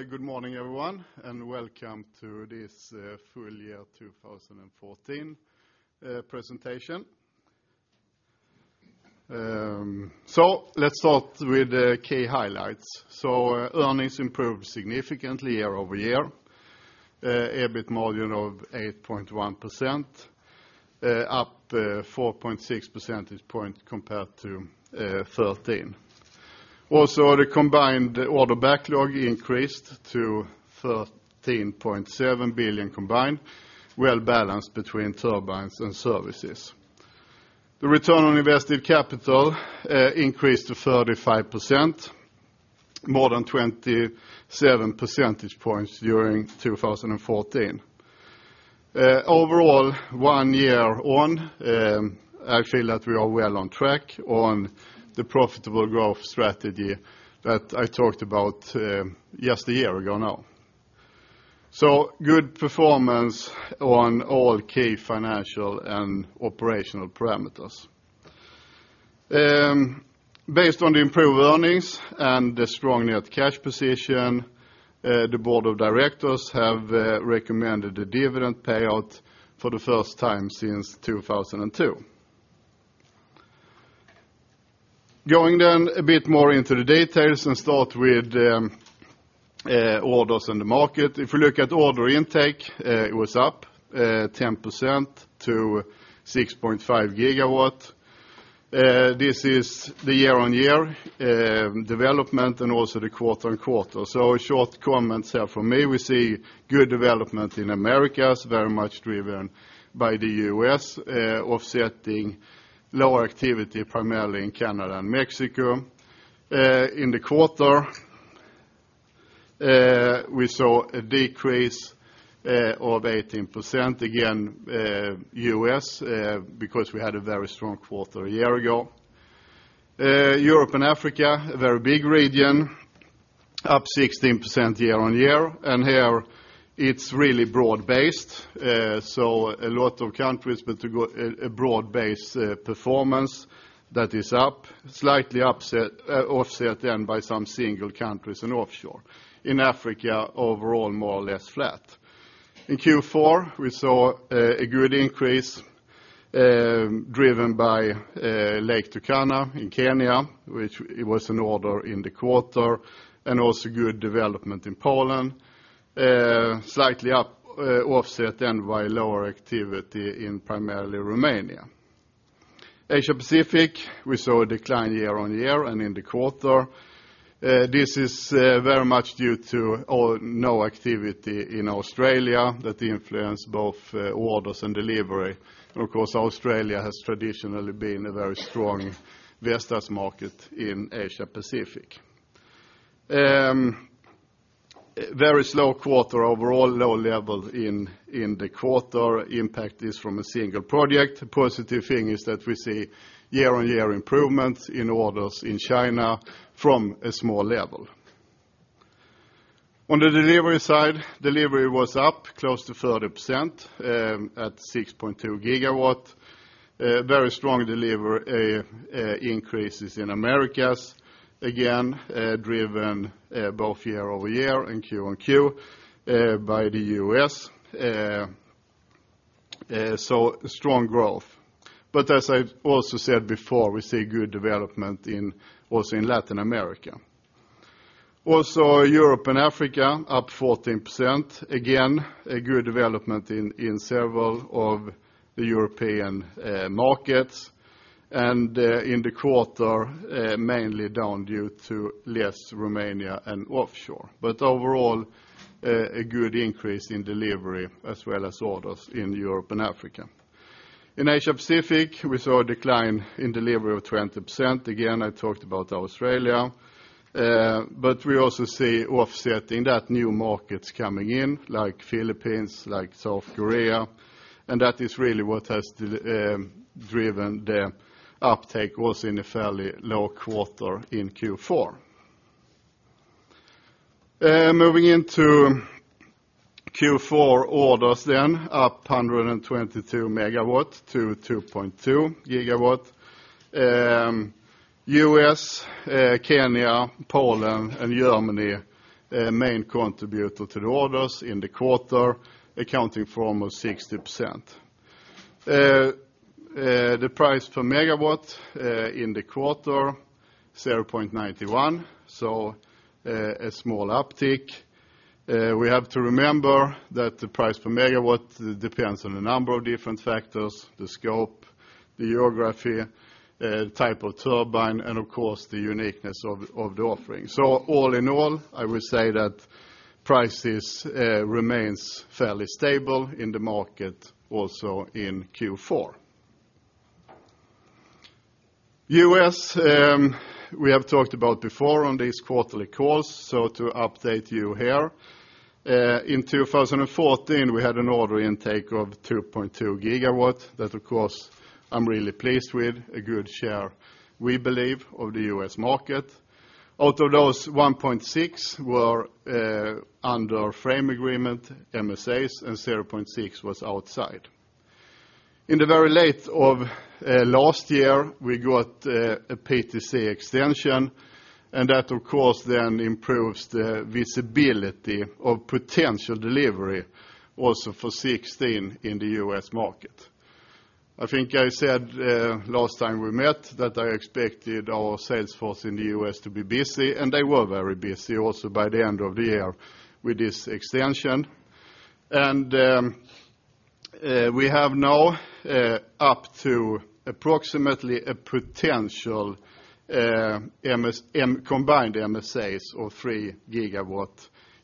Oh, good morning, everyone, and welcome to this full year 2014 presentation. So let's start with the key highlights. So earnings improved significantly year-over-year, EBIT margin of 8.1%, up 4.6 percentage points compared to 13. Also, the combined order backlog increased to 13.7 billion combined, well-balanced between turbines and services. The return on invested capital increased to 35%, more than 27 percentage points during 2014. Overall, one year on, I feel that we are well on track on the profitable growth strategy that I talked about just a year ago now. So good performance on all key financial and operational parameters. Based on the improved earnings and the strong net cash position, the board of directors have recommended a dividend payout for the first time since 2002. Going then a bit more into the details and start with orders in the market. If you look at order intake, it was up 10% to 6.5 GW. This is the year-on-year development and also the quarter-on-quarter. So a short comment here from me, we see good development in Americas, very much driven by the US, offsetting lower activity, primarily in Canada and Mexico. In the quarter, we saw a decrease of 18%, again, US, because we had a very strong quarter a year ago. Europe and Africa, a very big region, up 16% year-on-year, and here it's really broad-based. So a lot of countries, but a broad-based performance that is up, slightly offset then by some single countries and offshore. In Africa, overall, more or less flat. In Q4, we saw a good increase, driven by Lake Turkana in Kenya, which it was an order in the quarter, and also good development in Poland, slightly offset then by lower activity in primarily Romania. Asia Pacific, we saw a decline year-on-year and in the quarter. This is very much due to no activity in Australia that influence both, orders and delivery. Of course, Australia has traditionally been a very strong Vestas market in Asia Pacific. Very slow quarter, overall, low level in the quarter. Impact is from a single project. The positive thing is that we see year-on-year improvements in orders in China from a small level. On the delivery side, delivery was up close to 30%, at 6.2 GW. Very strong delivery increases in Americas, again, driven both year-over-year and Q-on-Q by the US. So strong growth. But as I also said before, we see good development in, also in Latin America. Also, Europe and Africa, up 14%. Again, a good development in, in several of the European markets, and in the quarter mainly down due to less Romania and offshore. But overall, a good increase in delivery as well as orders in Europe and Africa. In Asia Pacific, we saw a decline in delivery of 20%. Again, I talked about Australia, but we also see offsetting that new markets coming in, like Philippines, like South Korea, and that is really what has driven the uptake was in a fairly low quarter in Q4. Moving into Q4 orders then, up 122 megawatts to 2.2 gigawatt. US, Kenya, Poland, and Germany, main contributor to the orders in the quarter, accounting for almost 60%. The price per megawatt in the quarter, 0.91, so, a small uptick. We have to remember that the price per megawatt depends on a number of different factors: the scope, the geography, type of turbine, and of course, the uniqueness of the offering. So all in all, I will say that prices remains fairly stable in the market, also in Q4. US, we have talked about before on these quarterly calls, so to update you here, in 2014, we had an order intake of 2.2 GW. That, of course, I'm really pleased with, a good share, we believe, of the US market. Out of those, 1.6 were under framework agreement, MSAs, and 0.6 was outside. In the very late of last year, we got a PTC extension, and that of course then improves the visibility of potential delivery also for 2016 in the US market. I think I said last time we met that I expected our sales force in the US to be busy, and they were very busy also by the end of the year with this extension. We have now up to approximately a potential combined MSAs of 3 GW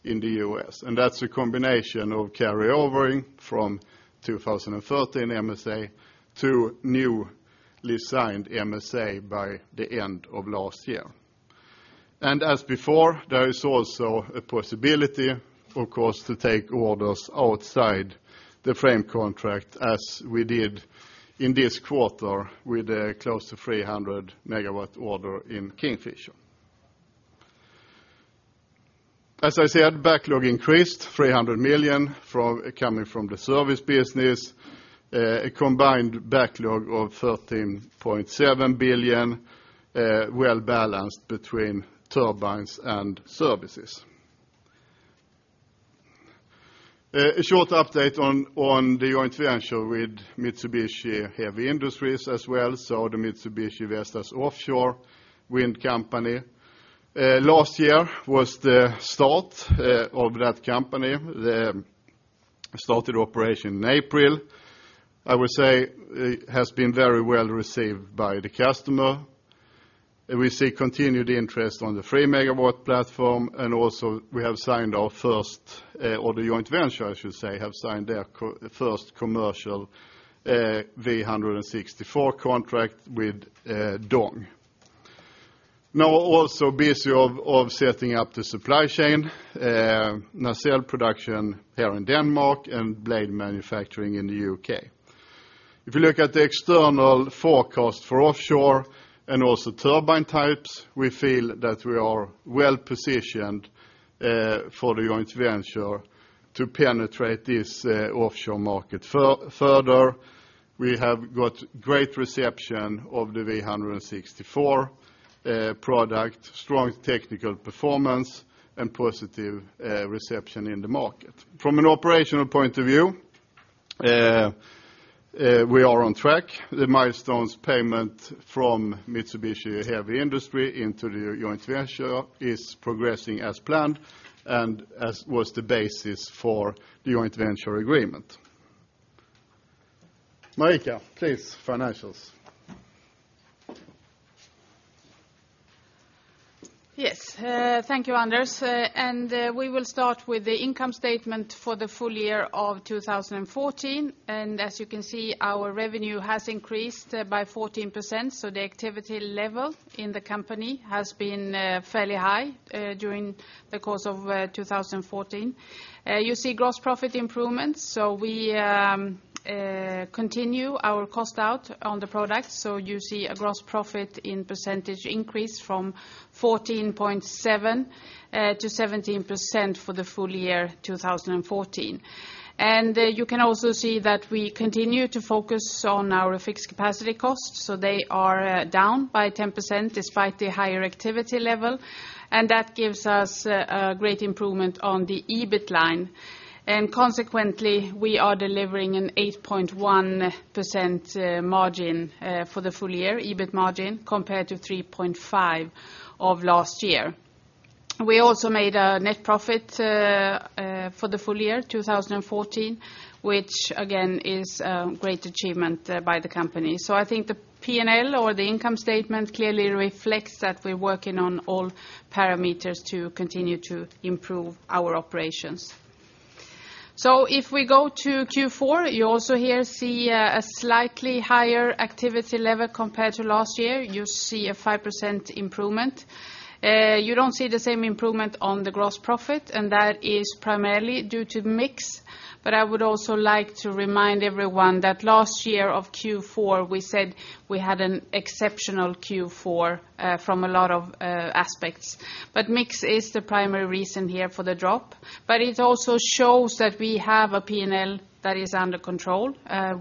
in the US, and that's a combination of carryover from 2013 MSA to newly signed MSA by the end of last year. As before, there is also a possibility, of course, to take orders outside the frame contract, as we did in this quarter with close to 300 MW order in Kingfisher. As I said, backlog increased 300 million from coming from the service business, a combined backlog of 13.7 billion, well-balanced between turbines and services. A short update on the joint venture with Mitsubishi Heavy Industries as well, so the Mitsubishi-Vestas Offshore Wind company. Last year was the start of that company. They started operation in April. I would say it has been very well received by the customer, and we see continued interest on the 3 MW platform, and also we have signed our first, or the joint venture, I should say, have signed their first commercial V164 contract with DONG. Now we're also busy setting up the supply chain, nacelle production here in Denmark and blade manufacturing in the UK. If you look at the external forecast for offshore and also turbine types, we feel that we are well-positioned for the joint venture to penetrate this offshore market. Further, we have got great reception of the V164 product, strong technical performance, and positive reception in the market. From an operational point of view, we are on track. The milestones payment from Mitsubishi Heavy Industries into the joint venture is progressing as planned and as was the basis for the joint venture agreement. Marika Fredriksson, please, financials. Yes, thank you, Anders Runevad, and we will start with the income statement for the full year of 2014. As you can see, our revenue has increased by 14%, so the activity level in the company has been fairly high during the course of 2014. You see gross profit improvements, so we continue our cost out on the products, so you see a gross profit in percentage increase from 14.7 to 17% for the full year 2014. You can also see that we continue to focus on our fixed capacity costs, so they are down by 10% despite the higher activity level, and that gives us a great improvement on the EBIT line. Consequently, we are delivering an 8.1% margin for the full year, EBIT margin, compared to 3.5 of last year. We also made a net profit for the full year 2014, which again, is a great achievement by the company. So I think the P&L or the income statement clearly reflects that we're working on all parameters to continue to improve our operations. If we go to Q4, you also here see a slightly higher activity level compared to last year. You see a 5% improvement. You don't see the same improvement on the gross profit, and that is primarily due to mix. But I would also like to remind everyone that last year of Q4, we said we had an exceptional Q4 from a lot of aspects. But mix is the primary reason here for the drop, but it also shows that we have a P&L that is under control.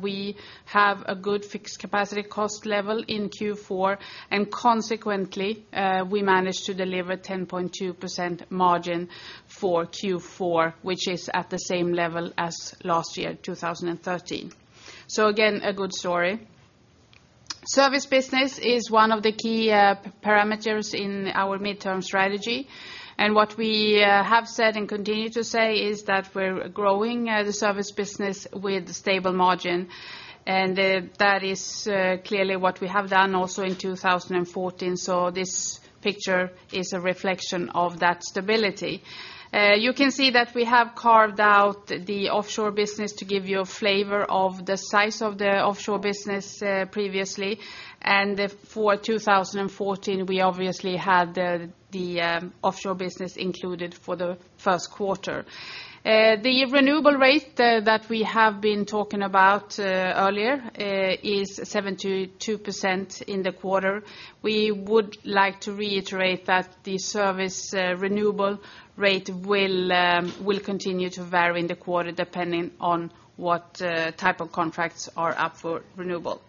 We have a good fixed capacity cost level in Q4, and consequently, we managed to deliver 10.2% margin for Q4, which is at the same level as last year, 2013. So again, a good story. Service business is one of the key parameters in our midterm strategy, and what we have said and continue to say is that we're growing the service business with stable margin, and that is clearly what we have done also in 2014, so this picture is a reflection of that stability. You can see that we have carved out the offshore business to give you a flavor of the size of the offshore business, previously, and for 2014, we obviously had the offshore business included for the Q1. The renewable rate that we have been talking about earlier is 72% in the quarter. We would like to reiterate that the service renewable rate will continue to vary in the quarter, depending on what type of contracts are up for renewable.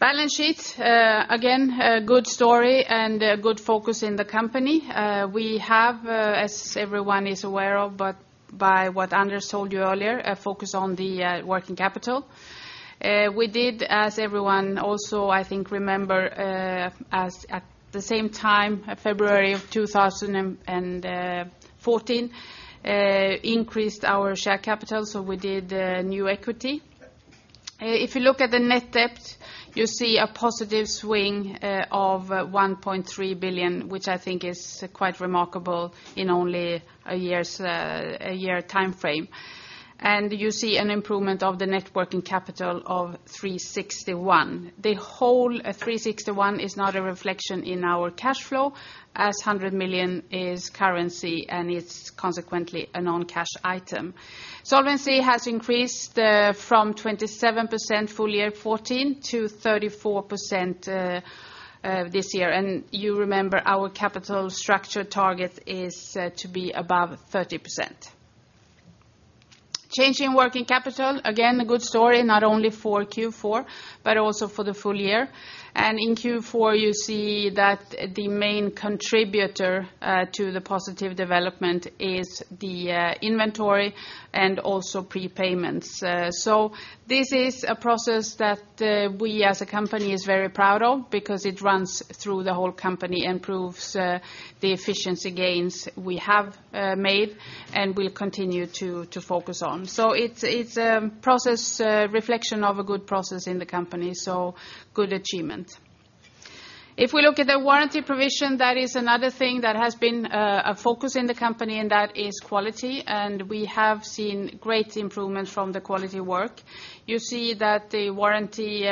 Balance sheet again a good story and a good focus in the company. We have, as everyone is aware of, but by what Anders told you earlier, a focus on the working capital. We did, as everyone also, I think, remember, as at the same time, February of 2014, increased our share capital, so we did new equity. If you look at the net debt, you see a positive swing of 1.3 billion, which I think is quite remarkable in only a year timeframe. You see an improvement of the net working capital of 361 million. The whole 361 million is not a reflection in our cash flow, as 100 million is currency, and it's consequently a non-cash item. Solvency has increased from 27% full year 2014 to 34% this year, and you remember our capital structure target is to be above 30%. Changing working capital, again, a good story, not only for Q4, but also for the full year. In Q4, you see that the main contributor to the positive development is the inventory and also prepayments. So this is a process that we as a company is very proud of because it runs through the whole company, improves the efficiency gains we have made and will continue to focus on. So it's a process reflection of a good process in the company, so good achievement. If we look at the warranty provision, that is another thing that has been a focus in the company, and that is quality, and we have seen great improvements from the quality work. You see that the warranty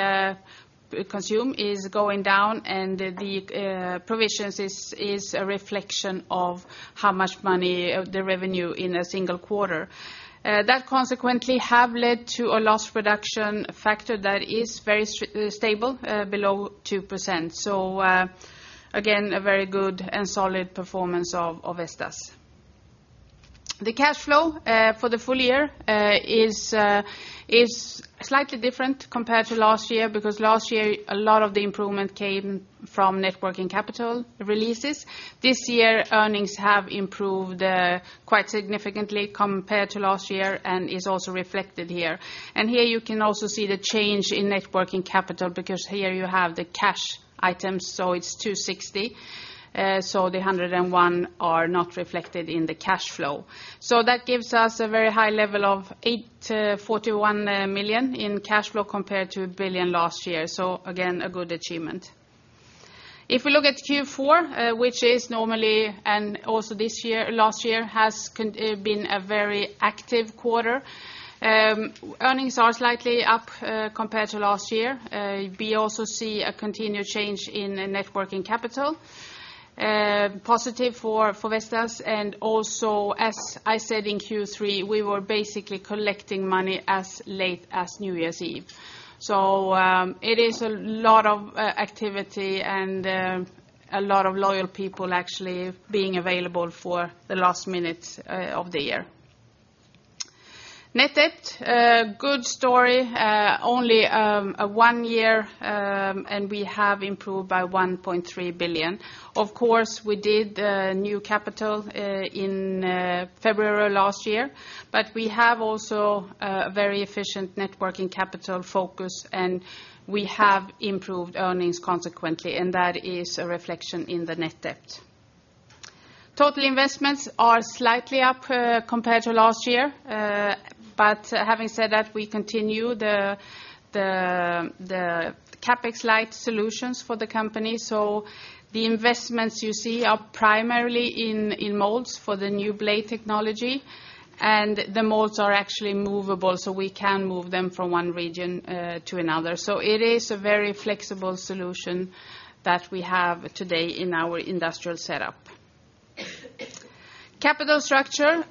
consume is going down, and the provisions is a reflection of how much money of the revenue in a single quarter. That consequently have led to a loss production factor that is very stable below 2%. So, again, a very good and solid performance of Vestas. The cash flow for the full year is slightly different compared to last year, because last year, a lot of the improvement came from net working capital releases. This year, earnings have improved quite significantly compared to last year and is also reflected here. And here you can also see the change in net working capital, because here you have the cash items, so it's 260, so the 101 are not reflected in the cash flow. So that gives us a very high level of 841 million in cash flow compared to 1 billion last year. So again, a good achievement. If we look at Q4, which is normally, and also this year, last year, has been a very active quarter, earnings are slightly up compared to last year. We also see a continued change in the net working capital, positive for Vestas, and also, as I said in Q3, we were basically collecting money as late as New Year's Eve. So, it is a lot of activity and a lot of loyal people actually being available for the last minute of the year. Net debt, good story, only one year, and we have improved by 1.3 billion. Of course, we did new capital in February last year, but we have also a very efficient net working capital focus, and we have improved earnings consequently, and that is a reflection in the net debt. Total investments are slightly up compared to last year, but having said that, we continue the CapEx-light solutions for the company. So the investments you see are primarily in molds for the new blade technology, and the molds are actually movable, so we can move them from one region to another. So it is a very flexible solution that we have today in our industrial setup. Capital structure,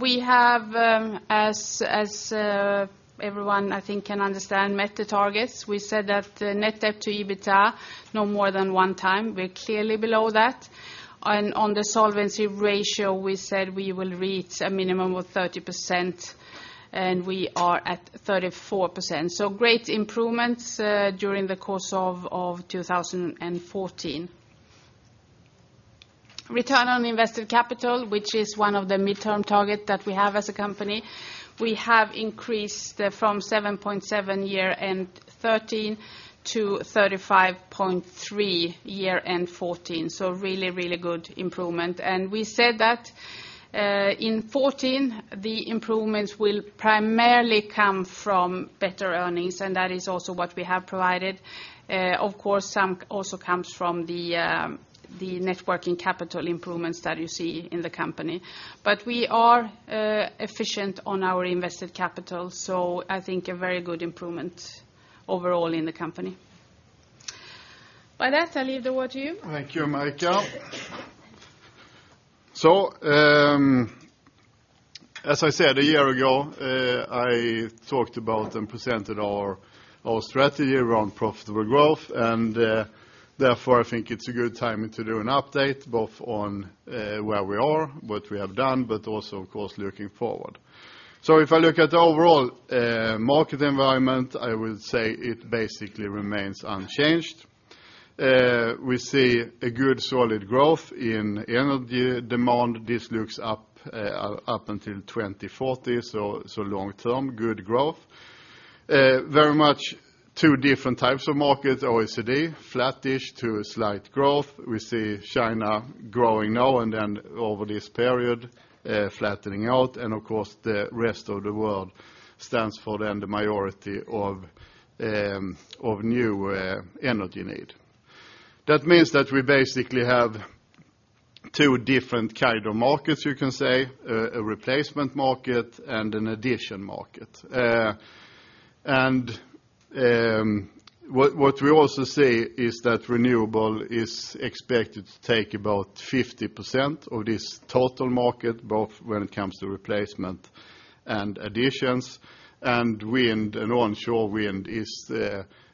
we have, as everyone, I think, can understand, met the targets. We said that the net debt to EBITDA no more than 1x. We're clearly below that. On the solvency ratio, we said we will reach a minimum of 30%, and we are at 34%. So great improvements during the course of 2014. Return on Invested Capital, which is one of the mid-term targets that we have as a company, we have increased from 7.7 year end 2013 to 35.3 year end 2014. So really, really good improvement. We said that in 2014, the improvements will primarily come from better earnings, and that is also what we have provided. Of course, some also comes from the net working capital improvements that you see in the company. But we are efficient on our invested capital, so I think a very good improvement overall in the company. By that, I leave the word to you. Thank you, Marika. So, as I said, a year ago, I talked about and presented our, our strategy around profitable growth, and therefore, I think it's a good timing to do an update, both on, where we are, what we have done, but also, of course, looking forward. So if I look at the overall, market environment, I will say it basically remains unchanged. We see a good solid growth in energy demand. This looks up until 2040, so, long term, good growth. Very much two different types of markets, OECD, flattish to a slight growth. We see China growing now and then over this period, flattening out. And of course, the rest of the world stands for then the majority of, of new, energy need. That means that we basically have two different kind of markets, you can say, a replacement market and an addition market. And what we also see is that renewable is expected to take about 50% of this total market, both when it comes to replacement and additions, and wind, and onshore wind is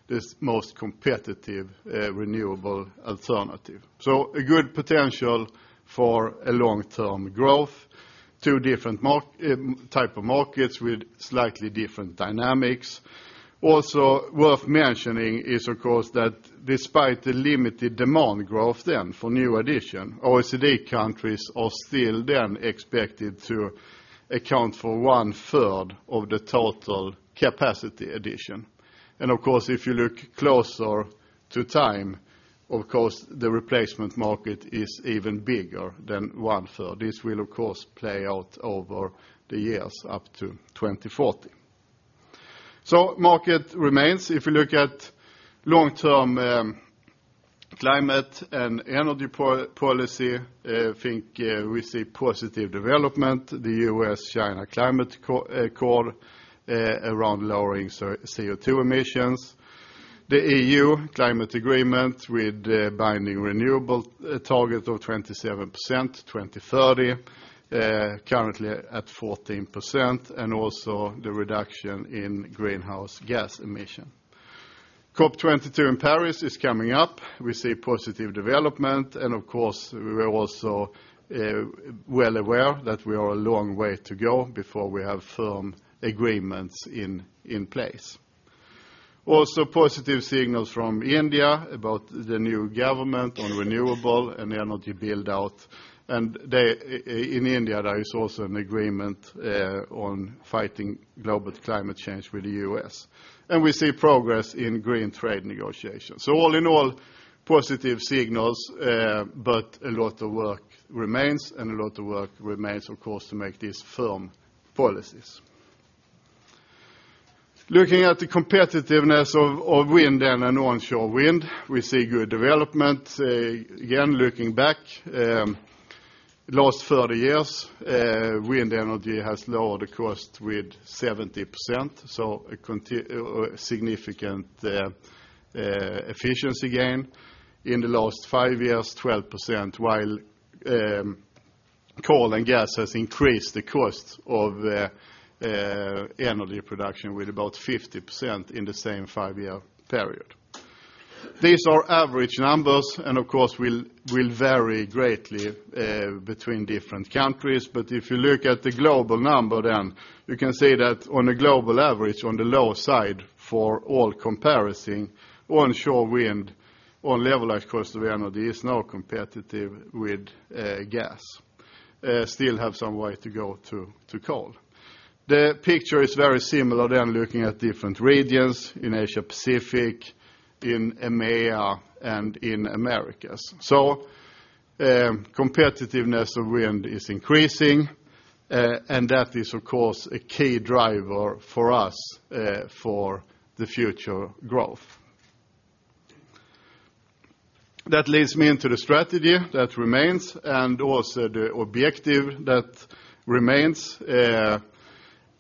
this most competitive renewable alternative. So a good potential for a long-term growth, two different type of markets with slightly different dynamics. Also worth mentioning is, of course, that despite the limited demand growth then for new addition, OECD countries are still then expected to account for 1/3 of the total capacity addition. And of course, if you look closer to time, of course, the replacement market is even bigger than 1/3. This will, of course, play out over the years up to 2040. So market remains. If you look at long-term climate and energy policy, I think we see positive development, the US-China climate accord around lowering CO2 emissions, the EU climate agreement with binding renewable target of 27%, 2030, currently at 14%, and also the reduction in greenhouse gas emission. COP21 in Paris is coming up. We see positive development, and of course, we are also well aware that we are a long way to go before we have firm agreements in place. Also, positive signals from India about the new government on renewable and energy build-out. They, in India, there is also an agreement on fighting global climate change with the US. We see progress in green trade negotiations. So all in all, positive signals, but a lot of work remains, and a lot of work remains, of course, to make these firm policies. Looking at the competitiveness of wind and onshore wind, we see good development. Again, looking back, last 30 years, wind energy has lowered the cost with 70%, so significant efficiency gain. In the last five years, 12%, while coal and gas has increased the cost of energy production with about 50% in the same five-year period. These are average numbers, and of course, will vary greatly between different countries, but if you look at the global number, then you can see that on a global average, on the low side for all comparison, onshore wind on levelized cost of energy is now competitive with gas. Still have some way to go to coal. The picture is very similar than looking at different regions in Asia-Pacific, in EMEA, and in Americas. Competitiveness of wind is increasing, and that is, of course, a key driver for us, for the future growth. That leads me into the strategy that remains and also the objective that remains,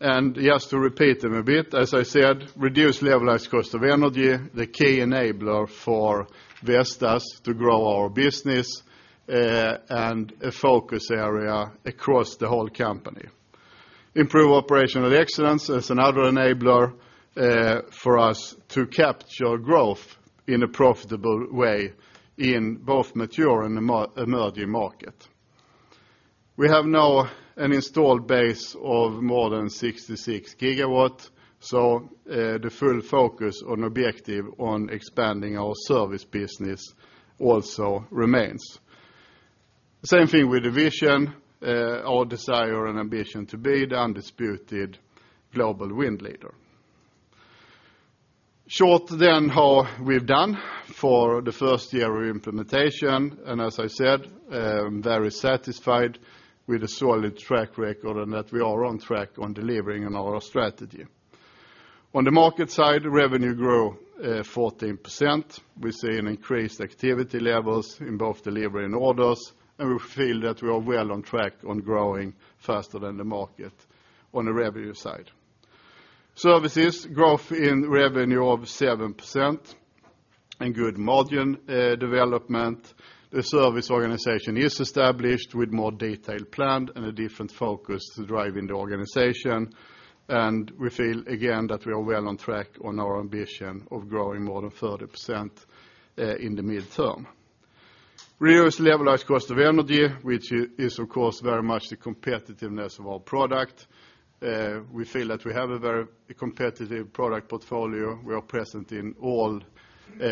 and just to repeat them a bit, as I said, reduce levelized cost of energy, the key enabler for Vestas to grow our business, and a focus area across the whole company. Improve operational excellence as another enabler, for us to capture growth in a profitable way in both mature and emerging market. We have now an installed base of more than 66 GW, so, the full focus on objective on expanding our service business also remains. Same thing with the vision, our desire and ambition to be the undisputed global wind leader. Short then, how we've done for the first year of implementation, and as I said, very satisfied with a solid track record and that we are on track on delivering on our strategy. On the market side, revenue grew, 14%. We see an increased activity levels in both delivery and orders, and we feel that we are well on track on growing faster than the market on the revenue side. Services, growth in revenue of 7% and good margin, development. The service organization is established with more detailed plan and a different focus to driving the organization. We feel, again, that we are well on track on our ambition of growing more than 30%, in the midterm. We always levelized cost of energy, which is, of course, very much the competitiveness of our product. We feel that we have a very competitive product portfolio. We are present in all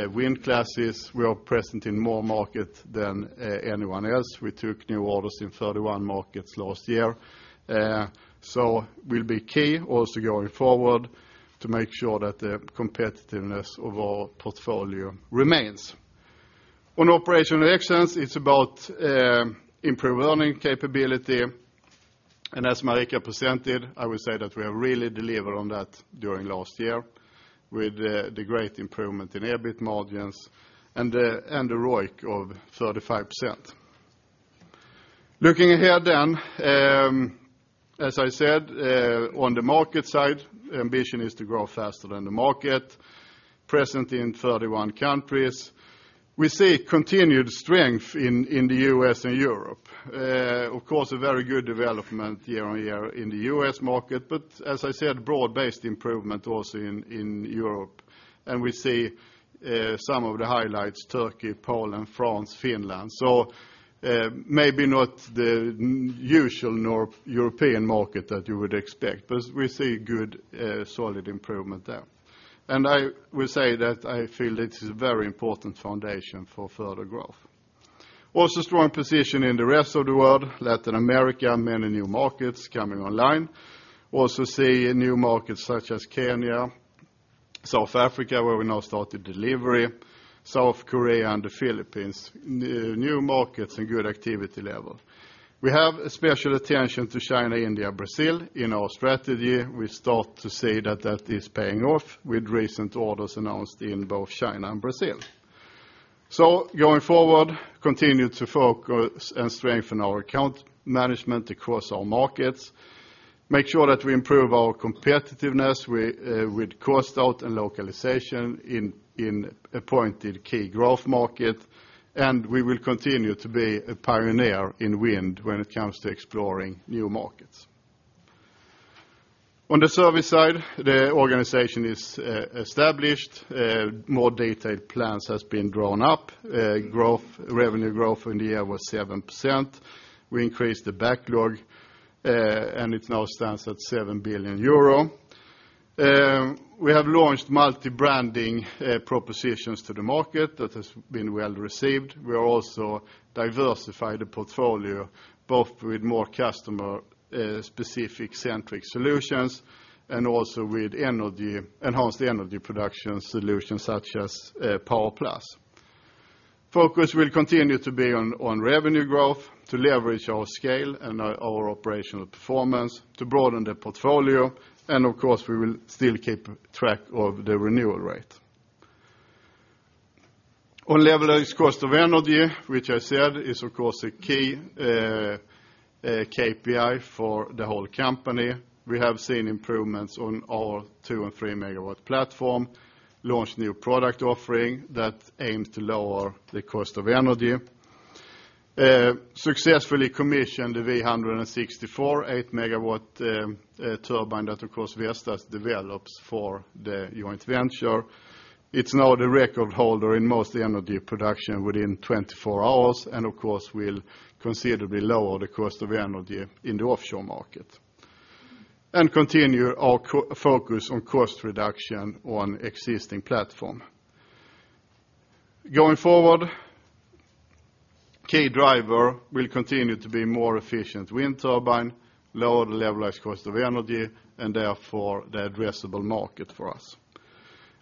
wind classes. We are present in more markets than anyone else. We took new orders in 31 markets last year. So will be key also going forward to make sure that the competitiveness of our portfolio remains. On operational excellence, it's about improved learning capability. As Marika presented, I would say that we have really delivered on that during last year with the great improvement in EBIT margins and the ROIC of 35%. Looking ahead then, as I said, on the market side, ambition is to grow faster than the market, present in 31 countries. We see continued strength in the US and Europe. Of course, a very good development year-on-year in the US market, but as I said, broad-based improvement also in Europe. And we see some of the highlights, Turkey, Poland, France, Finland. Maybe not the usual northern European market that you would expect, but we see good, solid improvement there. And I will say that I feel this is a very important foundation for further growth. Also, strong position in the rest of the world, Latin America, many new markets coming online. Also see new markets such as Kenya, South Africa, where we now started delivery, South Korea, and the Philippines, new markets and good activity level. We have a special attention to China, India, Brazil. In our strategy, we start to see that that is paying off with recent orders announced in both China and Brazil. Going forward, continue to focus and strengthen our account management across our markets, make sure that we improve our competitiveness with cost out and localization in appointed key growth market, and we will continue to be a pioneer in wind when it comes to exploring new markets. On the service side, the organization is established, more detailed plans has been drawn up. Growth, revenue growth in the year was 7%. We increased the backlog, and it now stands at 7 billion euro. We have launched multi-branding propositions to the market that has been well received. We are also diversify the portfolio, both with more customer specific centric solutions and also with energy enhanced energy production solutions such as PowerPlus. Focus will continue to be on revenue growth, to leverage our scale and our operational performance, to broaden the portfolio, and of course, we will still keep track of the renewal rate. On levelized cost of energy, which I said is, of course, a key KPI for the whole company. We have seen improvements on our 2 and 3MW platform, launched new product offering that aims to lower the cost of energy. Successfully commissioned the V164 8MW turbine that, of course, Vestas develops for the joint venture. It's now the record holder in most energy production within 24 hours, and of course, will considerably lower the cost of energy in the offshore market. Continue our continued focus on cost reduction on existing platform. Going forward, the key driver will continue to be more efficient wind turbine, lower the Levelized Cost of Energy, and therefore, the addressable market for us.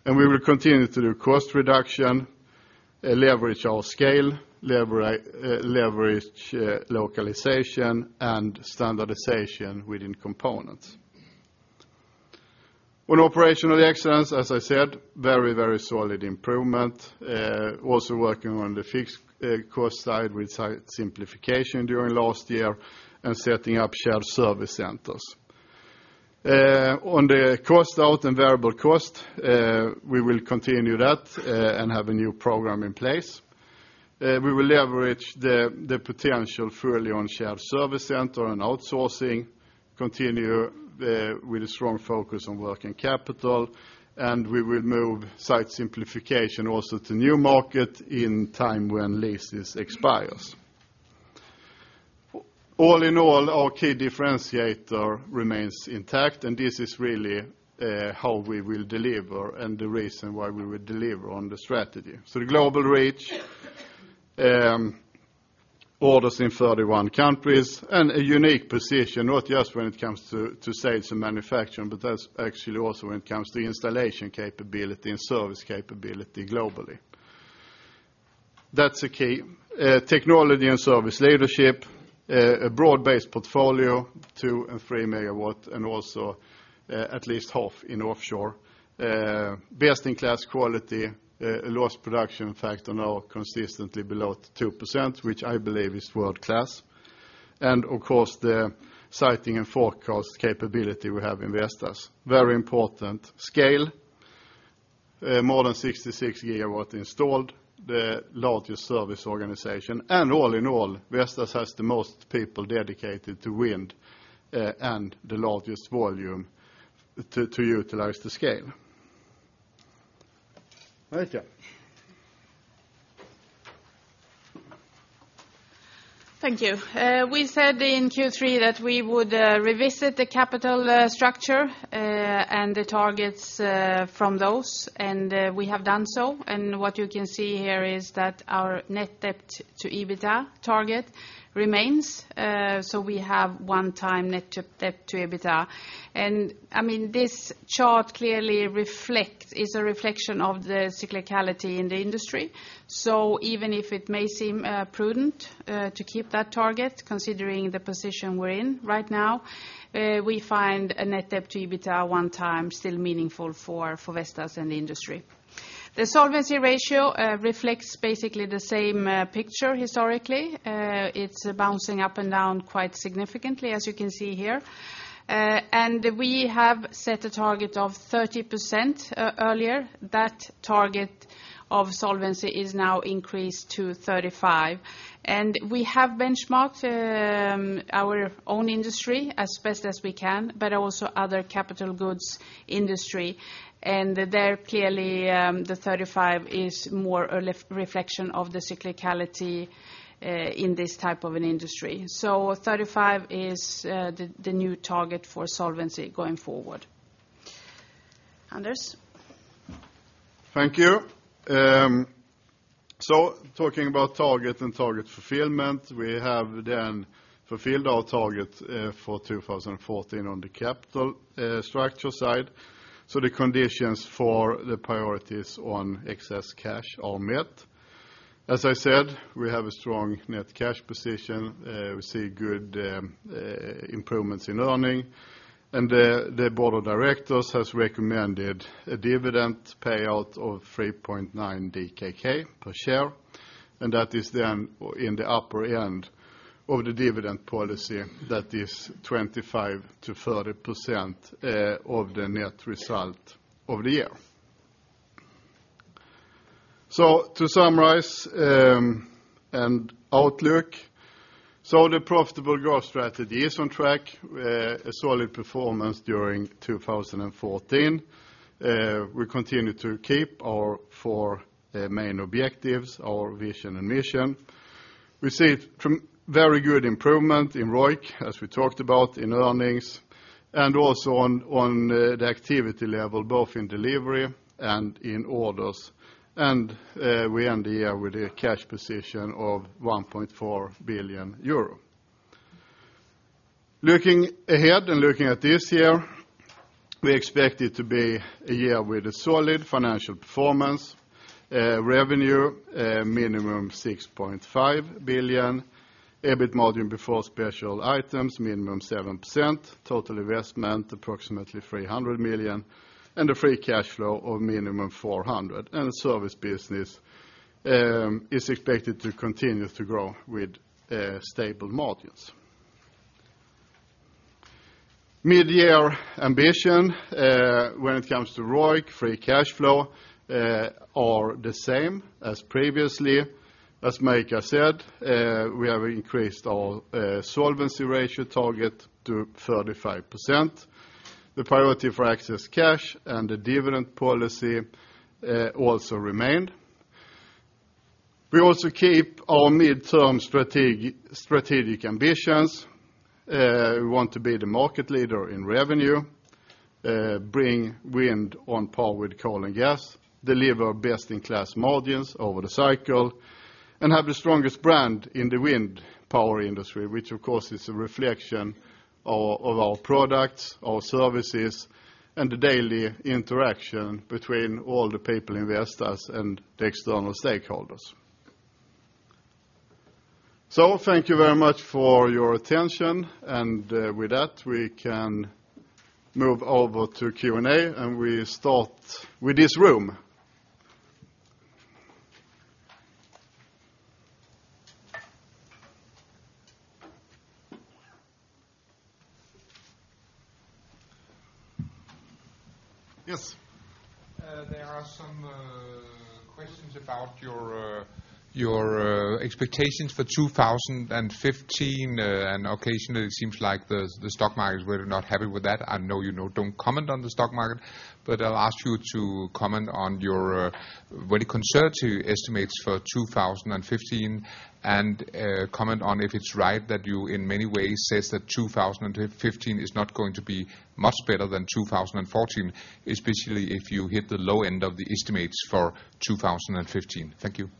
We will continue to do cost reduction, leverage our scale, leverage localization, and standardization within components. On operational excellence, as I said, very, very solid improvement, also working on the fixed, cost side with site simplification during last year and setting up shared service centers. On the cost out and variable cost, we will continue that, and have a new program in place. We will leverage the potential fully on shared service center and outsourcing, continue with a strong focus on working capital, and we will move site simplification also to new market in time when leases expires. All in all, our key differentiator remains intact, and this is really how we will deliver and the reason why we will deliver on the strategy. So the global reach, orders in 31 countries and a unique position, not just when it comes to sales and manufacturing, but that's actually also when it comes to installation capability and service capability globally. That's the key. Technology and service leadership, a broad-based portfolio, 2MW and 3MW, and also at least 1/2 in offshore. Best-in-class quality, loss production factor now consistently below 2%, which I believe is world-class. Of course, the siting and forecast capability we have in Vestas. Very important, scale more than 66GW installed, the largest service organization. All in all, Vestas has the most people dedicated to wind, and the largest volume to utilize the scale. Marika? Thank you. We said in Q3 that we would revisit the capital structure and the targets from those, and we have done so. And what you can see here is that our net debt to EBITDA target remains, so we have 1x net debt to EBITDA. I mean, this chart is a reflection of the cyclicality in the industry, so even if it may seem prudent to keep that target, considering the position we're in right now, we find a net debt to EBITDA 1x still meaningful for Vestas and the industry. The solvency ratio reflects basically the same picture historically. It's bouncing up and down quite significantly, as you can see here. We have set a target of 30% earlier. That target of solvency is now increased to 35. We have benchmarked our own industry as best as we can, but also other capital goods industry, and there clearly, the 35 is more a reflection of the cyclicality in this type of an industry, so 35 is the new target for solvency going forward. Anders? Thank you. So talking about target and target fulfillment, we have then fulfilled our target for 2014 on the capital structure side, so the conditions for the priorities on excess cash are met. As I said, we have a strong net cash position. We see good improvements in earnings, and the board of directors has recommended a dividend payout of 3.9 DKK per share, and that is then in the upper end of the dividend policy that is 25%-30% of the net result of the year. So to summarize and outlook, so the profitable growth strategy is on track, a solid performance during 2014. We continue to keep our four main objectives, our vision and mission. We see it from very good improvement in ROIC, as we talked about, in earnings, and also on the activity level, both in delivery and in orders, and we end the year with a cash position of 1.4 billion euro. Looking ahead and looking at this year, we expect it to be a year with a solid financial performance, revenue minimum 6.5 billion, EBIT margin before special items minimum 7%, total investment approximately 300 million, and a free cash flow of minimum 400 million, and service business is expected to continue to grow with stable margins. Mid-year ambition when it comes to ROIC, free cash flow are the same as previously. As Marika said, we have increased our solvency ratio target to 35%. The priority for excess cash and the dividend policy also remained. We also keep our midterm strategic ambitions. We want to be the market leader in revenue, bring wind on par with coal and gas, deliver best-in-class margins over the cycle, and have the strongest brand in the wind power industry, which, of course, is a reflection of, of our products, our services, and the daily interaction between all the people in Vestas and the external stakeholders. So thank you very much for your attention, and with that, we can move over to Q&A, and we start with this room. Yes? There are some questions about your expectations for 2015, and occasionally it seems like the stock market is really not happy with that. I know you know don't comment on the stock market, but I'll ask you to comment on your very conservative estimates for 2015, and comment on if it's right that you, in many ways, says that 2015 is not going to be much better than 2014, especially if you hit the low end of the estimates for 2015. Thank you.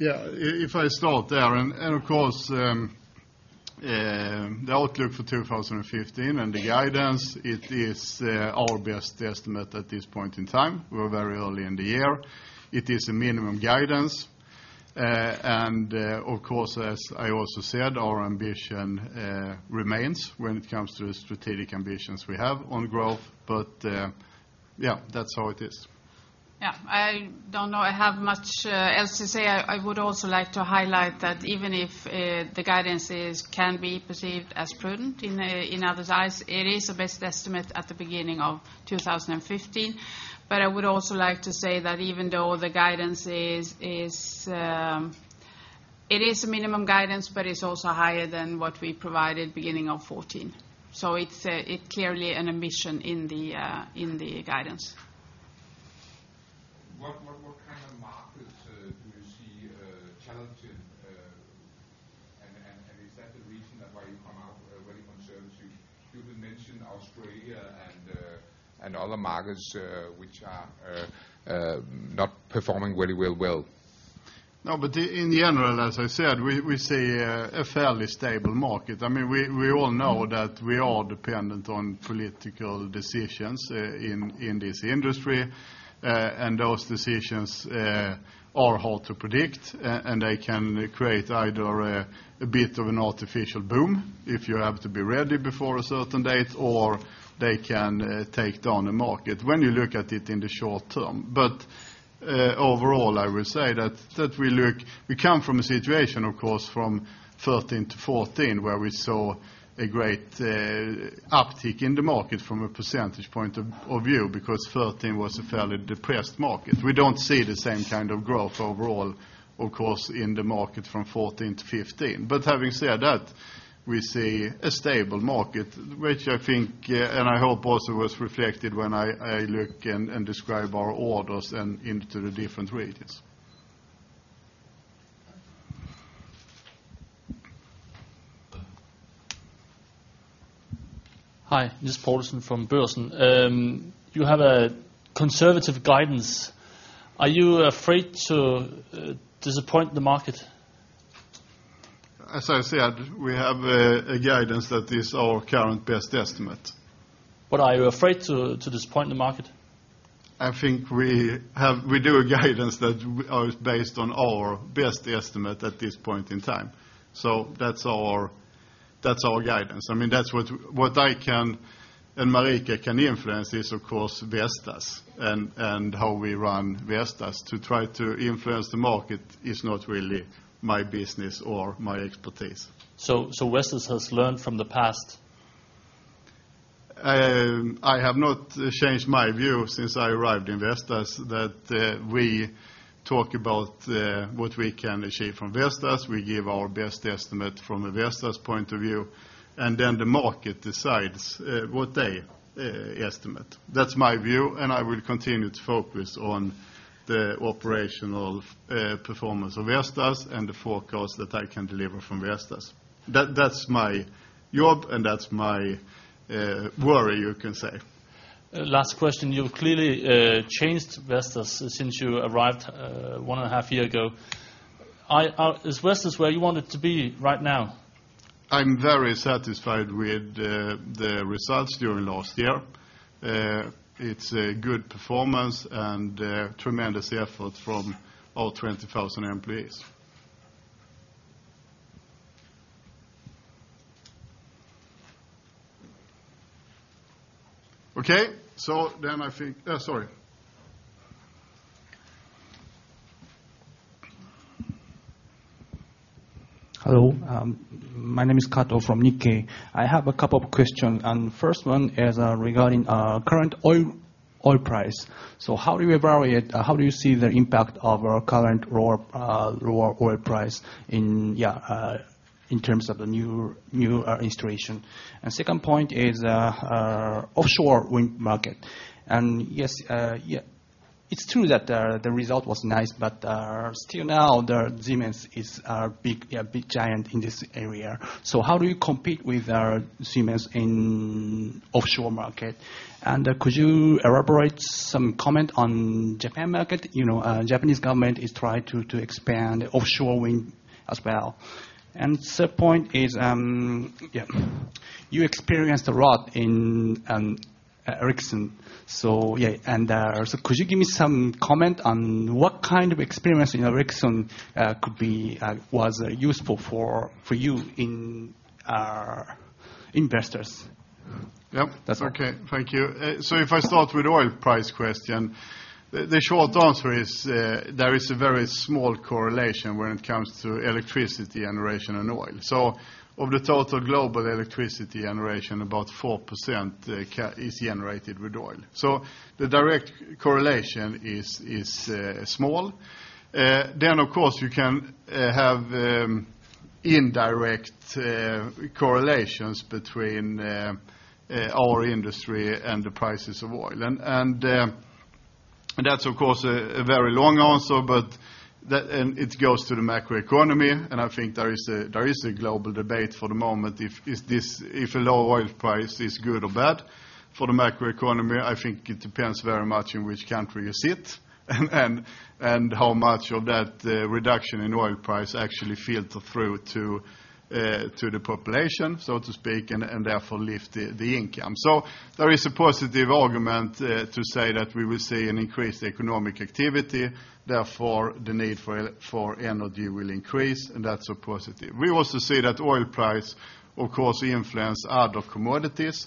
Yeah, if I start there, and of course, the outlook for 2015 and the guidance, it is our best estimate at this point in time. We're very early in the year. It is a minimum guidance, and of course, as I also said, our ambition remains when it comes to the strategic ambitions we have on growth. But, yeah, that's how it is. Yeah, I don't know, I have much else to say. I would also like to highlight that even if the guidances can be perceived as prudent in others' eyes, it is a best estimate at the beginning of 2015. I would also like to say that even though the guidance is, it is a minimum guidance, but it's also higher than what we provided beginning of 2014. So it's clearly an omission in the guidance. What kind of markets do you see challenging, and is that the reason why you come out very conservative? You mentioned Australia and other markets, which are not performing very well. No, but in general, as I said, we see a fairly stable market. I mean, we all know that we are dependent on political decisions in this industry. Those decisions are hard to predict, and they can create either a bit of an artificial boom, if you have to be ready before a certain date, or they can take down the market when you look at it in the short term. But overall, I will say that we look, we come from a situation, of course, from 2013 to 2014, where we saw a great uptick in the market from a percentage point of view, because 2013 was a fairly depressed market. We don't see the same kind of growth overall, of course, in the market from 2014 to 2015. But having said that, we see a stable market, which I think and I hope also was reflected when I look and describe our orders and into the different regions. Hi, this is Poulsen from Børsen. You have a conservative guidance. Are you afraid to disappoint the market? As I said, we have a guidance that is our current best estimate. Are you afraid to disappoint the market? I think we do a guidance that is based on our best estimate at this point in time. So that's our, that's our guidance. I mean, that's what, what I can, and Marika can influence is, of course, Vestas and, and how we run Vestas. To try to influence the market is not really my business or my expertise. So, Vestas has learned from the past? I have not changed my view since I arrived in Vestas, that we talk about what we can achieve from Vestas. We give our best estimate from a Vestas point of view, and then the market decides what they estimate. That's my view, and I will continue to focus on the operational performance of Vestas and the forecast that I can deliver from Vestas. That's my job, and that's my worry, you can say. Last question, you've clearly changed Vestas since you arrived one and a half year ago. Is Vestas where you want it to be right now? I'm very satisfied with the results during last year. It's a good performance and a tremendous effort from all 20,000 employees. Okay, so then I think. Sorry. Hello, my name is Kato from Nikkei. I have a couple of questions, and first one is, regarding, current oil price. So how do you evaluate, how do you see the impact of our current lower oil price in, yeah, in terms of the new installation? And second point is, offshore wind market. And yes, it's true that the result was nice, but, still now, the Siemens is a big giant in this area. So how do you compete with, Siemens in offshore market? And, could you elaborate some comment on Japan market? You know, Japanese government is trying to expand offshore wind as well. Third point is, yeah, you experienced a lot in, Ericsson. So yeah, and, so could you give me some comment on what kind of experience in Ericsson could be, was useful for, for you in, investors? Yep. That's all. Okay, thank you. So if I start with oil price question, the short answer is, there is a very small correlation when it comes to electricity generation and oil. So of the total global electricity generation, about 4% is generated with oil. So the direct correlation is small. Then, of course, you can have indirect correlations between our industry and the prices of oil. And that's of course a very long answer, but that- It goes to the macroeconomy, and I think there is a global debate for the moment if a low oil price is good or bad for the macroeconomy. I think it depends very much in which country you sit, and how much of that reduction in oil price actually filter through to the population, so to speak, and therefore lift the income. So there is a positive argument to say that we will see an increased economic activity, therefore, the need for energy will increase, and that's a positive. We also see that oil price, of course, influence other commodities,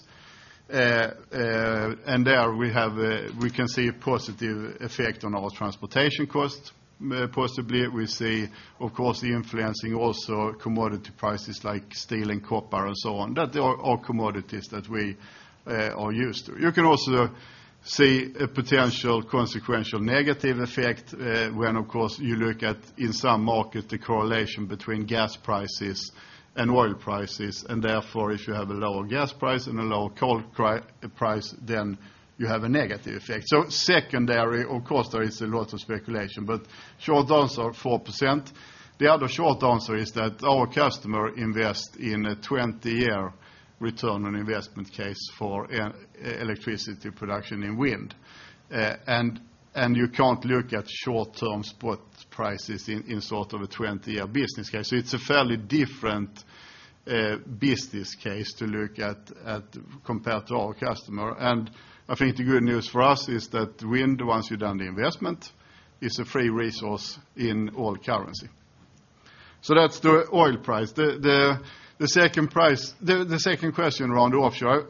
and there we can see a positive effect on our transportation costs. Possibly we see, of course, the influencing also commodity prices like steel and copper and so on, that they are all commodities that we are used to. You can also see a potential consequential negative effect, when, of course, you look at in some market, the correlation between gas prices and oil prices, and therefore, if you have a lower gas price and a lower coal price, then you have a negative effect. So secondary, of course, there is a lot of speculation, but short answer, 4%. The other short answer is that our customer invest in a 20-year return on investment case for electricity production in wind. You can't look at short-term spot prices in sort of a 20-year business case. So it's a fairly different business case to look at, compared to our customer. I think the good news for us is that wind, once you've done the investment, is a free resource in oil currency. So that's the oil price. The second question around offshore,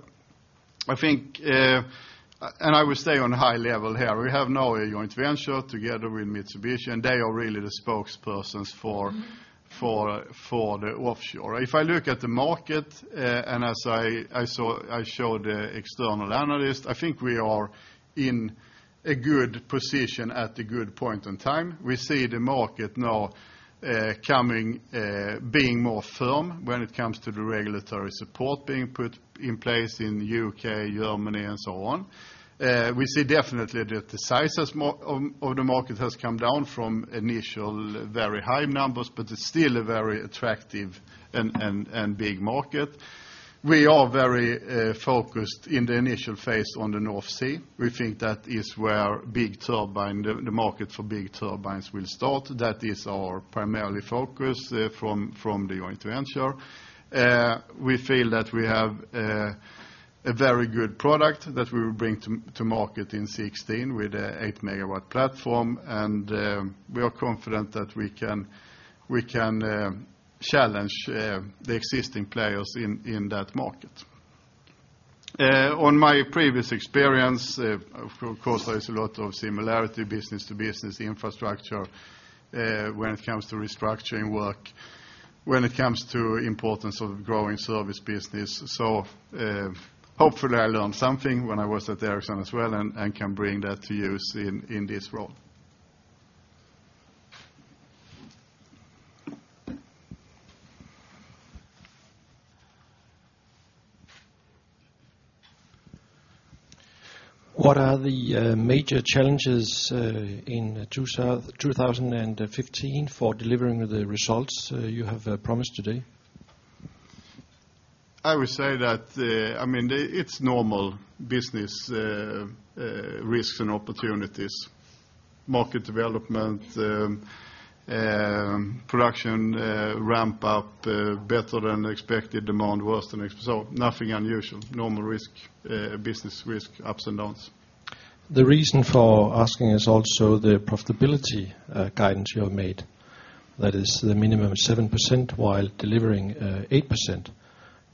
I think, and I will stay on a high level here. We have now a joint venture together with Mitsubishi, and they are really the spokespersons for the offshore. If I look at the market, and as I saw, I showed the external analyst, I think we are in a good position at a good point in time. We see the market now coming, being more firm when it comes to the regulatory support being put in place in UK, Germany, and so on. We see definitely that the sizes of the market has come down from initial very high numbers, but it's still a very attractive and big market. We are very focused in the initial phase on the North Sea. We think that is where big turbine, the market for big turbines will start. That is our primarily focus from the joint venture. We feel that we have a very good product that we will bring to market in 2016 with an 8MW platform, and we are confident that we can challenge the existing players in that market. On my previous experience, of course, there is a lot of similarity, business to business, infrastructure, when it comes to restructuring work, when it comes to importance of growing service business. Hopefully, I learned something when I was at Ericsson as well and can bring that to use in this role. What are the major challenges in 2015 for delivering the results you have promised today? I would say that, I mean, it's normal business risks and opportunities, market development, production ramp up, better than expected demand, worse than expected, so nothing unusual, normal risk, business risk, ups and downs. The reason for asking is also the profitability guidance you have made, that is the minimum of 7%, while delivering 8%.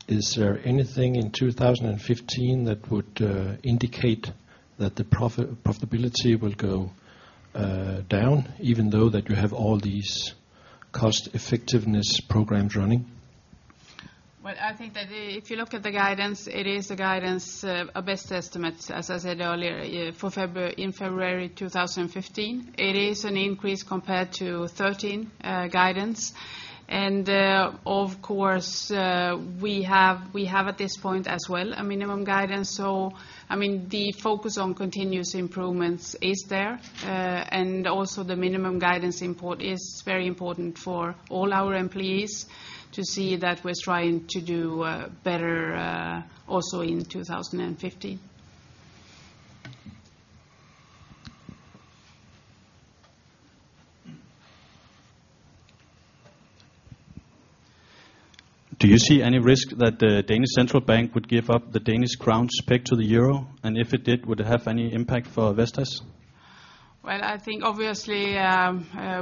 Is there anything in 2015 that would indicate that the profitability will go down, even though that you have all these cost effectiveness programs running? Well, I think that if you look at the guidance, it is a guidance, a best estimate, as I said earlier, for February 2015. It is an increase compared to 2013 guidance. And, of course, we have at this point as well, a minimum guidance. So, I mean, the focus on continuous improvements is there, and also the minimum guidance importance is very important for all our employees to see that we're trying to do better, also in 2015. Do you see any risk that the Danish Central Bank would give up the Danish krone's peg to the euro? If it did, would it have any impact for Vestas? Well, I think obviously,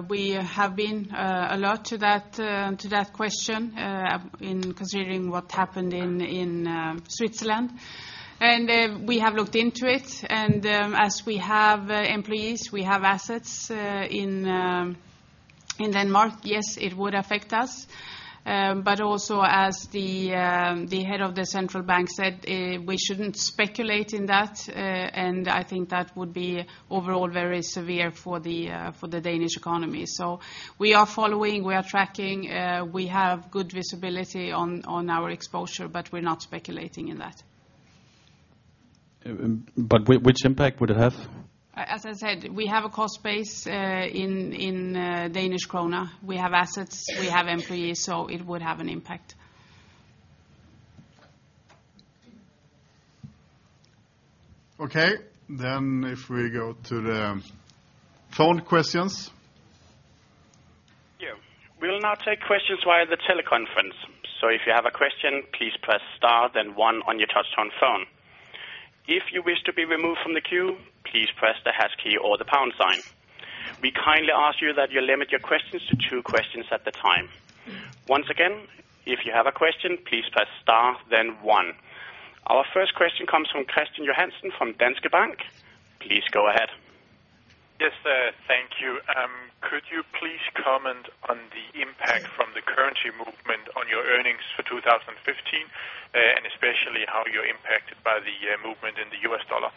we have been a lot to that to that question in considering what happened in Switzerland. We have looked into it, and as we have employees, we have assets in Denmark, yes, it would affect us. But also as the head of the central bank said, we shouldn't speculate in that, and I think that would be overall very severe for the Danish economy. So we are following, we are tracking, we have good visibility on our exposure, but we're not speculating in that. Which impact would it have? As I said, we have a cost base in Danish krone. We have assets, we have employees, so it would have an impact. Okay. Then if we go to the phone questions. Yeah. We'll now take questions via the teleconference. So if you have a question, please press star, then one on your touchtone phone. If you wish to be removed from the queue, please press the hash key or the pound sign. We kindly ask you that you limit your questions to two questions at the time. Once again, if you have a question, please press star, then one. Our first question comes from Kristian Johansen from Danske Bank. Please go ahead. Yes, thank you. Could you please comment on the impact from the currency movement on your earnings for 2015, and especially how you're impacted by the movement in the US dollar?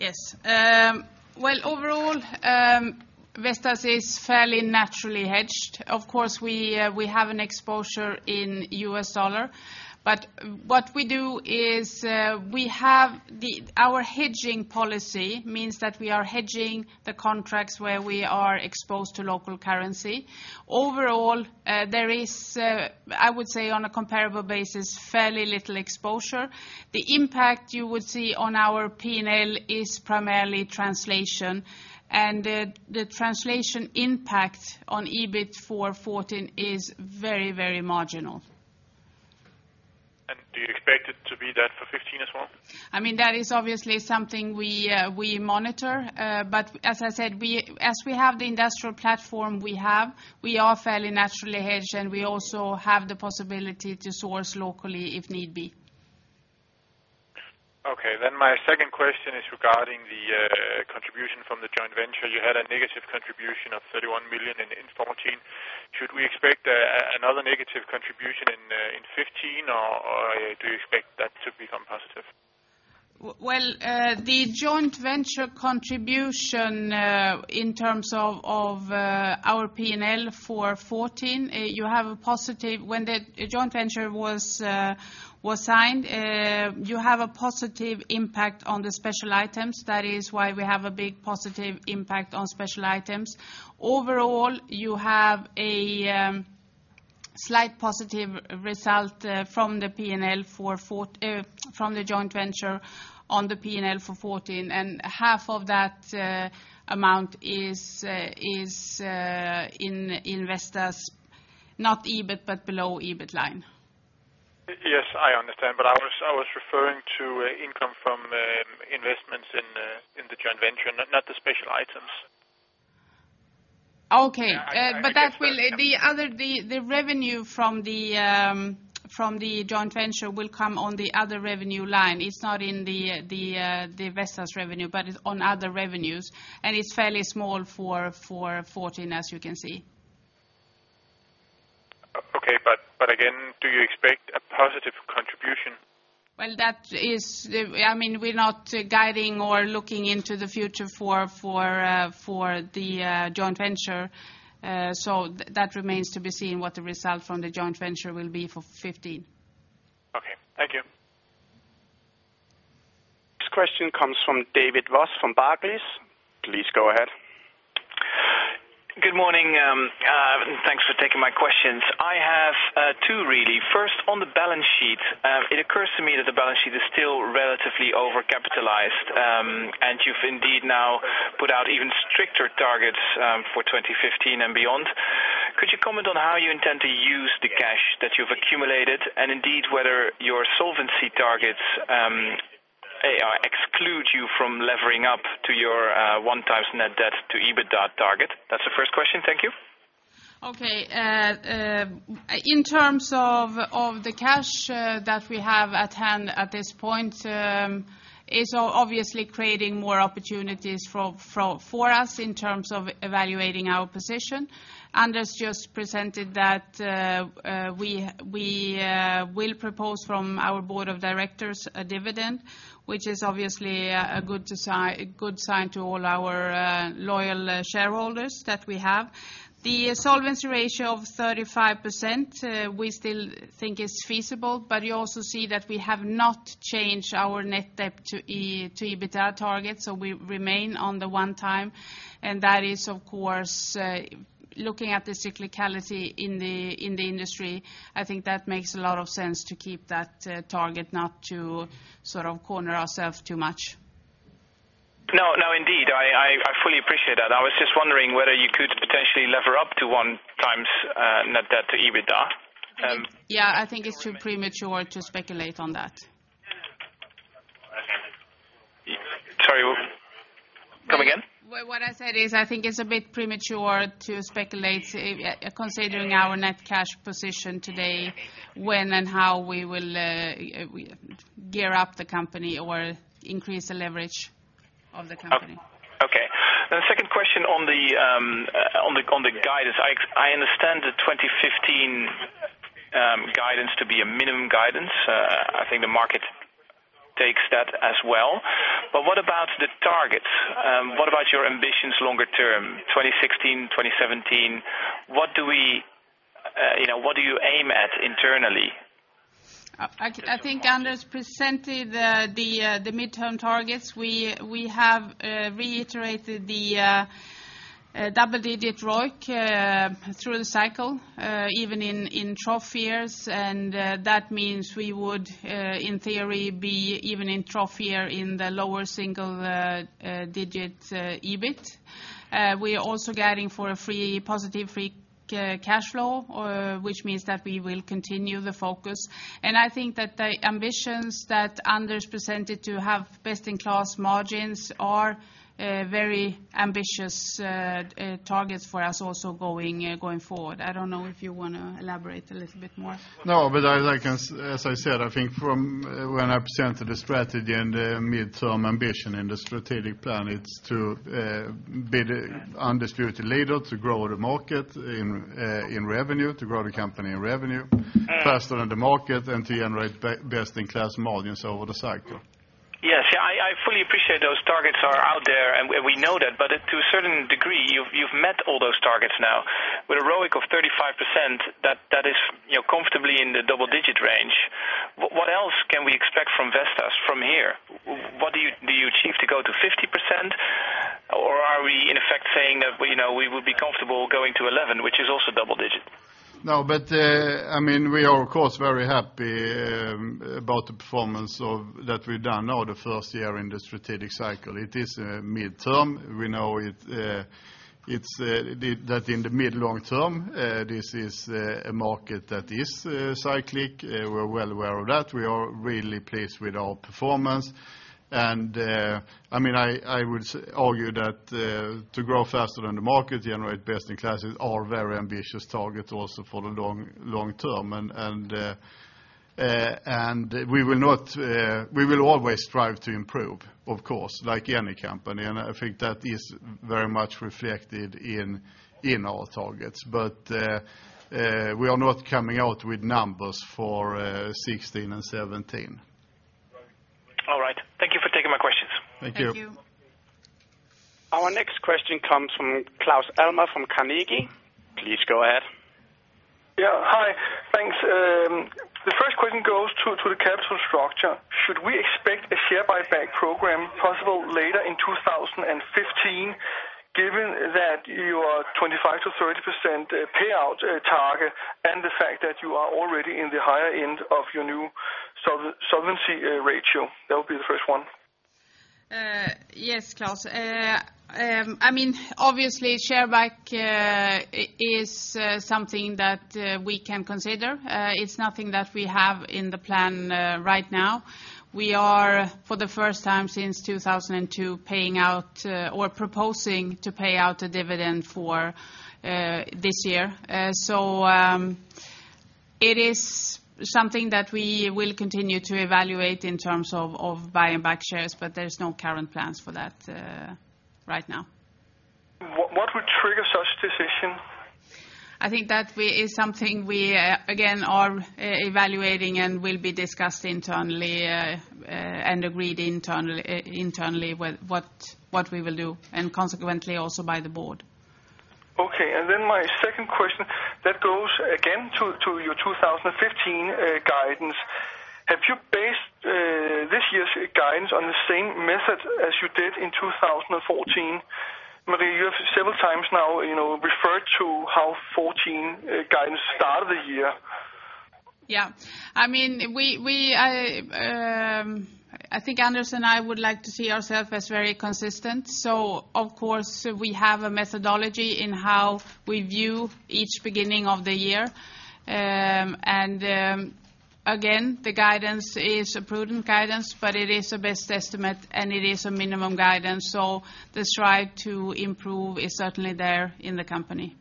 Yes. Well, overall, Vestas is fairly naturally hedged. Of course, we, we have an exposure in US dollar, but what we do is, we have the— our hedging policy means that we are hedging the contracts where we are exposed to local currency. Overall, there is, I would say on a comparable basis, fairly little exposure. The impact you would see on our P&L is primarily translation, and, the translation impact on EBIT for 2014 is very, very marginal. Do you expect it to be that for 2015 as well? I mean, that is obviously something we, we monitor. But as I said, as we have the industrial platform we have, we are fairly naturally hedged, and we also have the possibility to source locally if need be. Okay, then my second question is regarding the contribution from the joint venture. You had a negative contribution of EUR 31 million in 2014. Should we expect another negative contribution in 2015, or do you expect that to become positive? Well, the joint venture contribution in terms of our P&L for 2014, you have a positive when the joint venture was signed, you have a positive impact on the special items. That is why we have a big positive impact on special items. Overall, you have a slight positive result from the P&L from the joint venture on the P&L for 2014, and half of that amount is in Vestas, not EBIT, but below EBIT line. Yes, I understand, but I was referring to income from investments in the joint venture, not the special items. Okay. Yeah, I get that. But the revenue from the joint venture will come on the other revenue line. It's not in the Vestas revenue, but it's on other revenues, and it's fairly small for 14, as you can see. Okay, but, but again, do you expect a positive contribution? Well, that is, I mean, we're not guiding or looking into the future for the joint venture, so that remains to be seen what the result from the joint venture will be for 2015. Okay, thank you. This question comes from David Vos from Barclays. Please go ahead. Good morning, and thanks for taking my questions. I have two really. First, on the balance sheet, it occurs to me that the balance sheet is still relatively overcapitalized, and you've indeed now put out even stricter targets, for 2015 and beyond. Could you comment on how you intend to use the cash that you've accumulated, and indeed, whether your solvency targets exclude you from levering up to your 1x net debt to EBITDA target? That's the first question. Thank you. Okay, in terms of the cash that we have at hand at this point, it's obviously creating more opportunities for us in terms of evaluating our position. Anders just presented that we will propose from our board of directors a dividend, which is obviously a good sign to all our loyal shareholders that we have. The solvency ratio of 35%, we still think is feasible, but you also see that we have not changed our net debt to EBITDA targets, so we remain on the one time. That is, of course, looking at the cyclicality in the industry, I think that makes a lot of sense to keep that target, not to sort of corner ourselves too much. No, no, indeed, I fully appreciate that. I was just wondering whether you could potentially lever up to 1x net debt to EBITDA. Yeah, I think it's too premature to speculate on that. Sorry, come again? Well, what I said is, I think it's a bit premature to speculate, considering our net cash position today, when and how we will gear up the company or increase the leverage of the company. Okay. The second question on the guidance. I understand the 2015 guidance to be a minimum guidance. I think the market takes that as well. But what about the targets? What about your ambitions longer term, 2016, 2017? What do we, you know, what do you aim at internally? I think Anders presented the midterm targets. We have reiterated the double-digit ROIC through the cycle, even in trough years, and that means we would, in theory, be even in trough year in the lower single digit EBIT. We are also guiding for a positive free cash flow, which means that we will continue the focus. I think that the ambitions that Anders presented to have best-in-class margins are very ambitious targets for us also going forward. I don't know if you wanna elaborate a little bit more. No, but I can, as I said, I think from when I presented the strategy and the mid-term ambition in the strategic plan, it's to be the undisputed leader, to grow the market in revenue, to grow the company in revenue faster than the market, and to generate best-in-class margins over the cycle. Yes, yeah, I fully appreciate those targets are out there, and we know that. But to a certain degree, you've met all those targets now. With a ROIC of 35%, that is, you know, comfortably in the double-digit range. What else can we expect from Vestas from here? What do you achieve to go to 50%, or are we in effect saying that, you know, we would be comfortable going to 11, which is also double digit? No, but I mean, we are, of course, very happy about the performance that we've done over the first year in the strategic cycle. It is midterm. We know it. It's that in the mid-long term this is a market that is cyclical. We're well aware of that. We are really pleased with our performance. I mean, I would argue that to grow faster than the market, generate best-in-class, are very ambitious targets also for the long term. And we will not, we will always strive to improve, of course, like any company, and I think that is very much reflected in our targets. But we are not coming out with numbers for 2016 and 2017. All right. Thank you for taking my questions. Thank you. Thank you. Our next question comes from Claus Almer from Carnegie. Please go ahead. Yeah, hi. Thanks, the first question goes to the capital structure. Should we expect a share buyback program possible later in 2015, given that your 25%-30% payout target, and the fact that you are already in the higher end of your new solvency ratio? That would be the first one. Yes, Claus. I mean, obviously share buyback is something that we can consider. It's nothing that we have in the plan right now. We are, for the first time since 2002, paying out or proposing to pay out a dividend for this year. So, it is something that we will continue to evaluate in terms of buying back shares, but there's no current plans for that right now. What would trigger such decision? I think that is something we again are evaluating and will be discussed and agreed internally with what we will do, and consequently, also by the board. Okay, and then my second question, that goes again to your 2015 guidance. Have you based this year's guidance on the same method as you did in 2014? Marika, you have several times now, you know, referred to how 2014 guidance started the year. Yeah. I mean, we, I think Anders and I would like to see ourself as very consistent, so of course, we have a methodology in how we view each beginning of the year. Again, the guidance is a prudent guidance, but it is a best estimate, and it is a minimum guidance, so the strive to improve is certainly there in the company.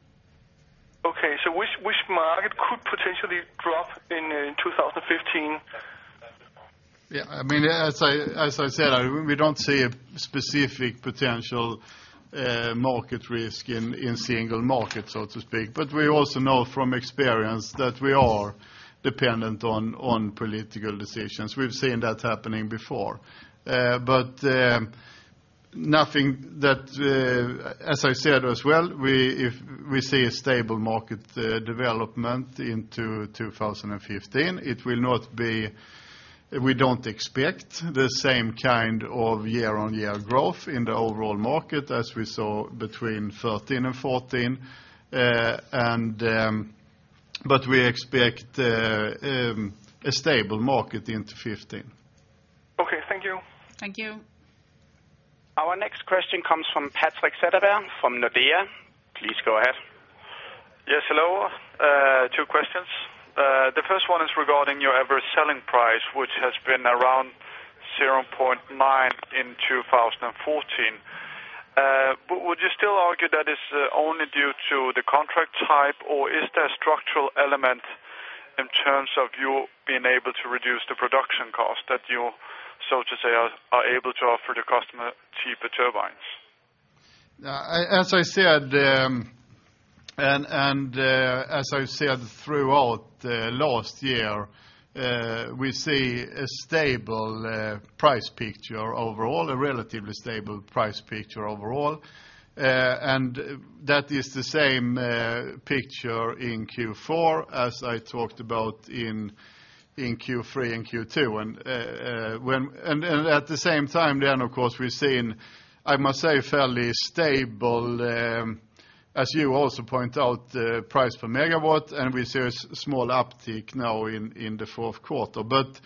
Okay, so which, which market could potentially drop in 2015? Yeah, I mean, as I, as I said, we don't see a specific potential market risk in a single market, so to speak. But we also know from experience that we are dependent on political decisions. We've seen that happening before. As I said as well, we, if we see a stable market development into 2015, it will not be. We don't expect the same kind of year-on-year growth in the overall market as we saw between 2013 and 2014. But we expect a stable market into 2015. Okay, thank you. Thank you. Our next question comes from Patrik Setterberg from Nordea. Please go ahead. Yes, hello, two questions. The first one is regarding your average selling price, which has been around 0.9 in 2014. Would you still argue that it's only due to the contract type, or is there structural element in terms of you being able to reduce the production cost, that you, so to say, are able to offer the customer cheaper turbines? As I said, and as I said throughout last year, we see a stable price picture overall, a relatively stable price picture overall. That is the same picture in Q4, as I talked about in Q3 and Q2. At the same time, then, of course, we're seeing, I must say, fairly stable, as you also point out, the price per megawatt, and we see a small uptick now in the fourth quarter. But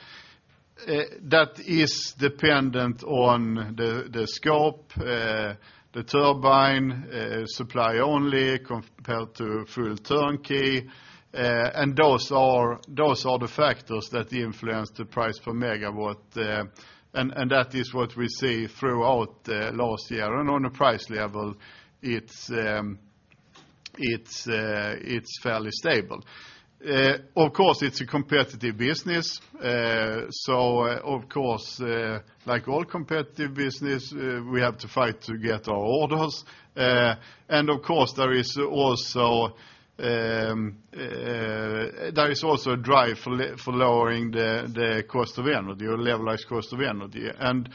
that is dependent on the scope, the turbine supply only compared to full turnkey. Those are the factors that influence the price per megawatt. And that is what we see throughout the last year. On a price level, it's fairly stable. Of course, it's a competitive business. Of course, like all competitive business, we have to fight to get our orders. Of course, there is also a drive for lowering the cost of energy or levelized cost of energy. That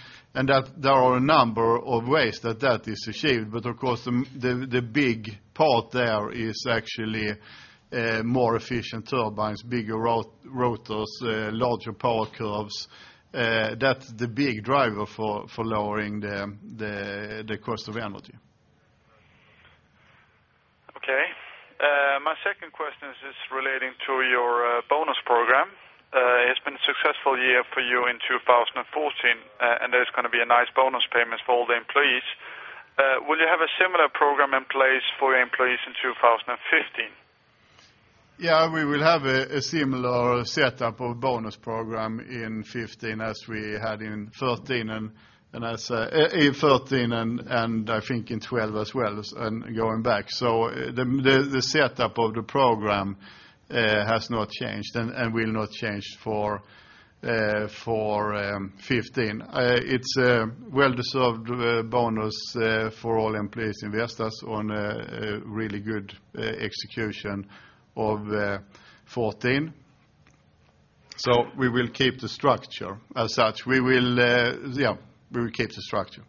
there are a number of ways that that is achieved. But of course, the big part there is actually more efficient turbines, bigger rotors, larger power curves. That's the big driver for lowering the cost of energy. Okay. My second question is just relating to your bonus program. It's been a successful year for you in 2014, and there's going to be nice bonus payments for all the employees. Will you have a similar program in place for your employees in 2015? Yeah, we will have a similar setup of bonus program in 2015 as we had in 2013, and as in 2013 and I think in 2012 as well, and going back. So the setup of the program has not changed and will not change for 2015. It's a well-deserved bonus for all employees in Vestas on a really good execution of 2014. So we will keep the structure as such. We will, yeah, we will keep the structure.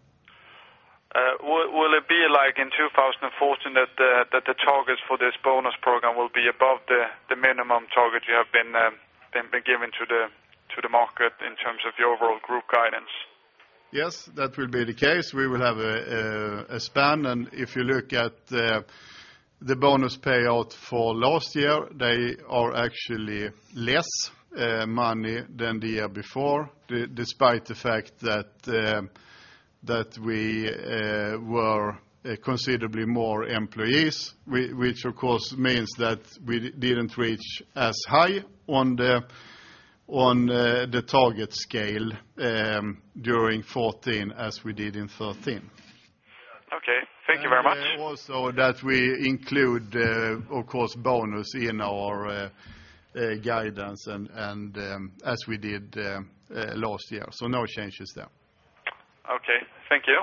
Will it be like in 2014, that the targets for this bonus program will be above the minimum target you have been given to the market in terms of the overall group guidance? Yes, that will be the case. We will have a span, and if you look at the bonus payout for last year, they are actually less money than the year before, despite the fact that we were considerably more employees, which, of course, means that we didn't reach as high on the target scale during 2014 as we did in 2013. Okay. Thank you very much. Also, that we include, of course, bonus in our guidance and, as we did last year, so no changes there. Okay, thank you.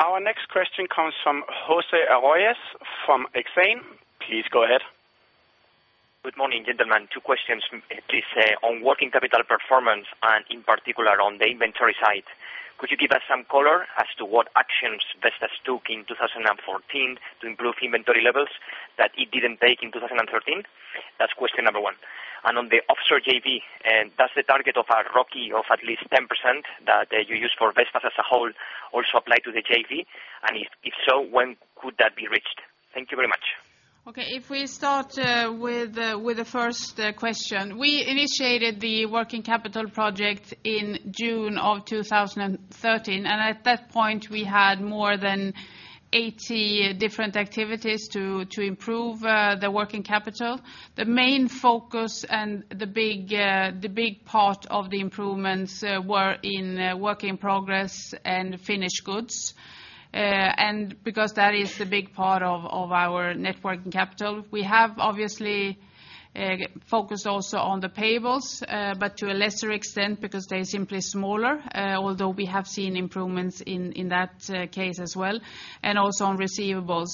Our next question comes from José Arroyas, from Exane BNP Paribas. Please go ahead. Good morning, gentlemen. Two questions, please. On working capital performance and in particular on the inventory side, could you give us some color as to what actions Vestas took in 2014 to improve inventory levels that it didn't take in 2013? That's question number one. And on the offshore JV, does the target of ROE of at least 10% that you use for Vestas as a whole also apply to the JV? If so, when could that be reached? Thank you very much. Okay, if we start with the first question, we initiated the working capital project in June of 2013, and at that point, we had more than 80 different activities to improve the working capital. The main focus and the big, the big part of the improvements were in work in progress and finished goods. Because that is the big part of our net working capital, we have obviously focused also on the payables, but to a lesser extent because they're simply smaller, although we have seen improvements in that case as well, and also on receivables.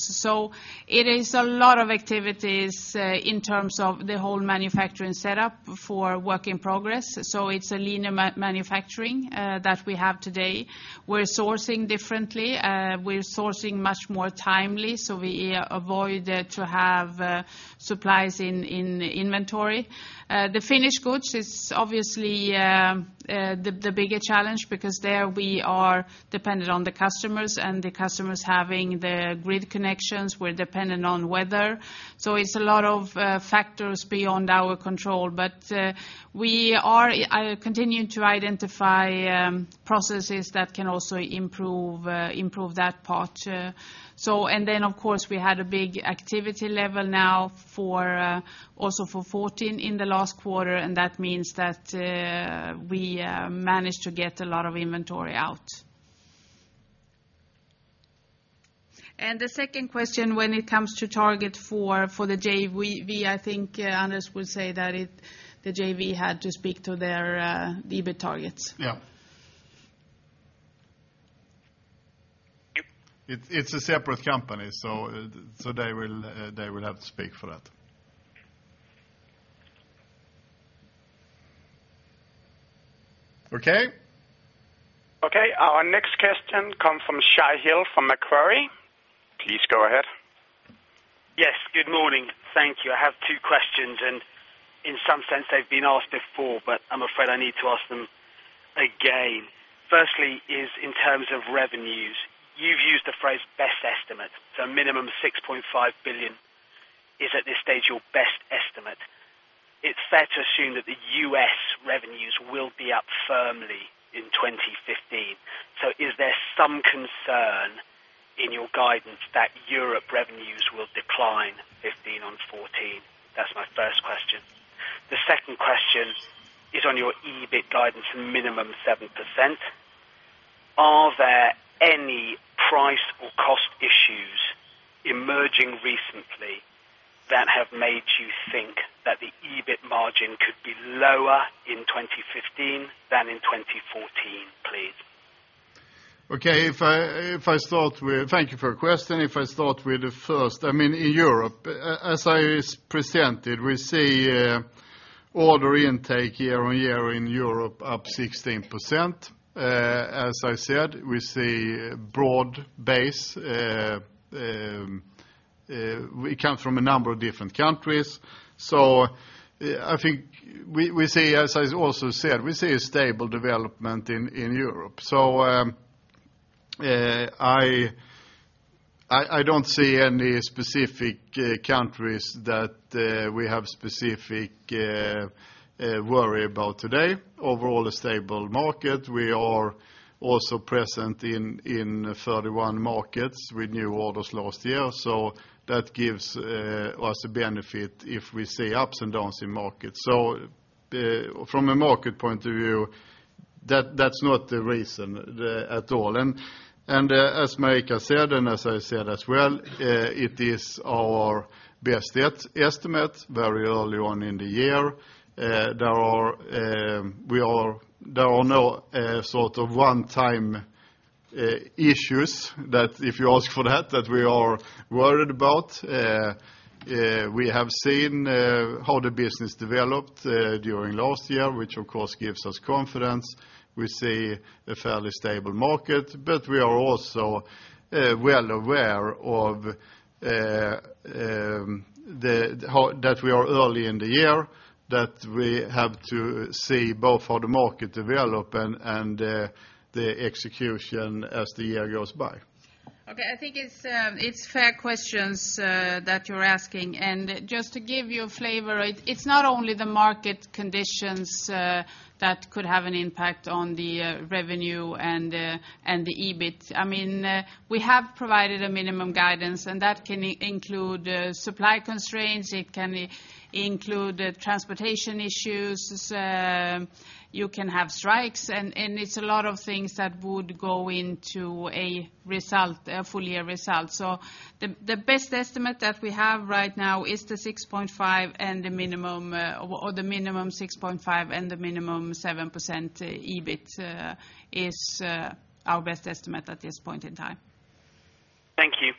It is a lot of activities in terms of the whole manufacturing setup for work in progress, so it's a linear manufacturing that we have today. We're sourcing differently, we're sourcing much more timely, so we avoid to have supplies in inventory. The finished goods is obviously the bigger challenge because there we are dependent on the customers, and the customers having the grid connections, we're dependent on weather. So it's a lot of factors beyond our control. But we are continuing to identify processes that can also improve that part. So, and then, of course, we had a big activity level now for also for 2014 in the last quarter, and that means that we managed to get a lot of inventory out. And the second question, when it comes to target for the JV, I think Anders would say that it, the JV had to speak to their EBIT targets. Yeah. It's a separate company, so they will have to speak for that. Okay? Okay, our next question come from Shai Hill, from Macquarie. Please go ahead. Yes, good morning. Thank you. I have two questions, and in some sense, they've been asked before, but I'm afraid I need to ask them again. Firstly, is in terms of revenues, you've used the phrase best estimate, so a minimum 6.5 billion is, at this stage, your best estimate. It's fair to assume that the US revenues will be up firmly in 2015. So is there some concern in your guidance that Europe revenues will decline 2015 on 2014? That's my first question. The second question is on your EBIT guidance, minimum 7%. Are there any price or cost issues emerging recently that have made you think that the EBIT margin could be lower in 2015 than in 2014, please? Okay, if I start with- thank you for your question. If I start with the first, I mean, in Europe, as I presented, we see order intake year-on-year in Europe up 16%. As I said, we see broad base, we come from a number of different countries. So, I think we see, as I also said, we see a stable development in Europe. So, I don't see any specific countries that we have specific worry about today. Overall, a stable market. We are also present in 31 markets with new orders last year, so that gives us a benefit if we see ups and downs in markets. So, from a market point of view, that's not the reason at all. As Marika said, and as I said as well, it is our best estimate, very early on in the year. There are no sort of one-time issues that if you ask for that, that we are worried about. We have seen how the business developed during last year, which, of course, gives us confidence. We see a fairly stable market, but we are also well aware of that we are early in the year, that we have to see both how the market develop and the execution as the year goes by. Okay, I think it's fair questions that you're asking. Just to give you a flavor, it's not only the market conditions that could have an impact on the revenue and the EBIT. I mean, we have provided a minimum guidance, and that can include supply constraints, it can include transportation issues, you can have strikes, and it's a lot of things that would go into a result, a full year result. So the best estimate that we have right now is the 6.5 and the minimum, or the minimum 6.5, and the minimum 7% EBIT is our best estimate at this point in time. Thank you.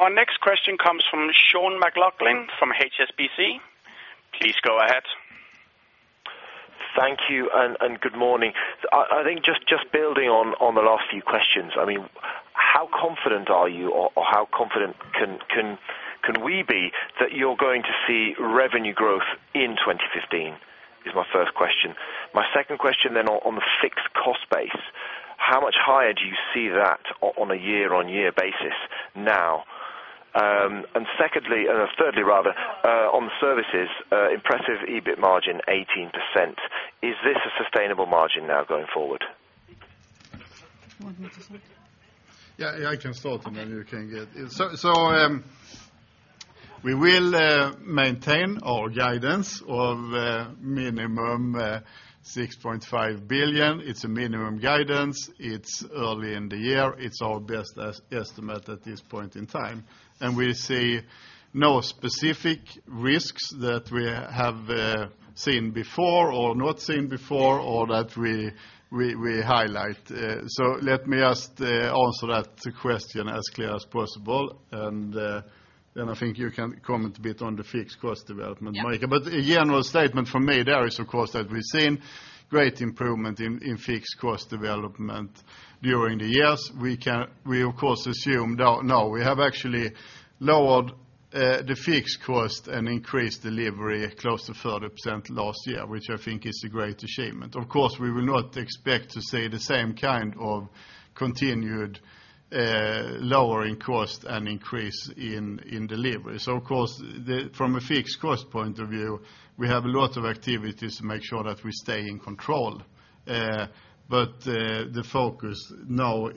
Our next question comes from Sean McLoughlin, from HSBC. Please go ahead. Thank you, and good morning. I think just building on the last few questions, I mean, how confident are you, or how confident can we be that you're going to see revenue growth in 2015? Is my first question. My second question then on the fixed cost base, how much higher do you see that on a year-on-year basis now? Secondly, thirdly, rather, on the services, impressive EBIT margin 18%, is this a sustainable margin now going forward? You want me to start? Yeah, I can start, and then you can get. We will maintain our guidance of minimum 6.5 billion. It's a minimum guidance. It's early in the year. It's our best estimate at this point in time. We see no specific risks that we have seen before or not seen before, or that we highlight. Let me just answer that question as clear as possible, and then I think you can comment a bit on the fixed cost development, Marika. Yeah. But a general statement from me there is, of course, that we've seen great improvement in fixed cost development during the years. We, of course, have actually lowered the fixed cost and increased delivery close to 30% last year, which I think is a great achievement. Of course, we will not expect to see the same kind of continued lowering cost and increase in delivery. So of course, from a fixed cost point of view, we have a lot of activities to make sure that we stay in control. But the focus now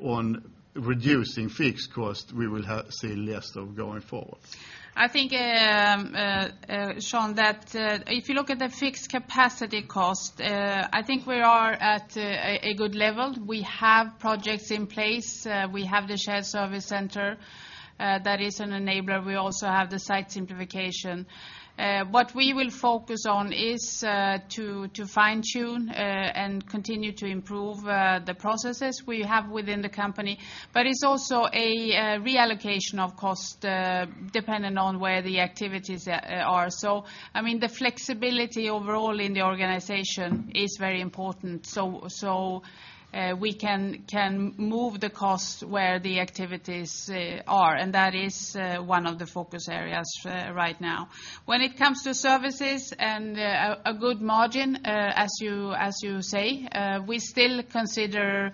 on reducing fixed cost, we will see less of going forward. I think, Sean, that, if you look at the fixed capacity cost, I think we are at a, a good level. We have projects in place. We have the shared service center, that is an enabler. We also have the site simplification. What we will focus on is, to, to fine-tune, and continue to improve, the processes we have within the company. But it's also a, reallocation of cost, dependent on where the activities are. I mean, the flexibility overall in the organization is very important, so we can move the costs where the activities, are, and that is, one of the focus areas, right now. When it comes to services and a good margin, as you say, we still consider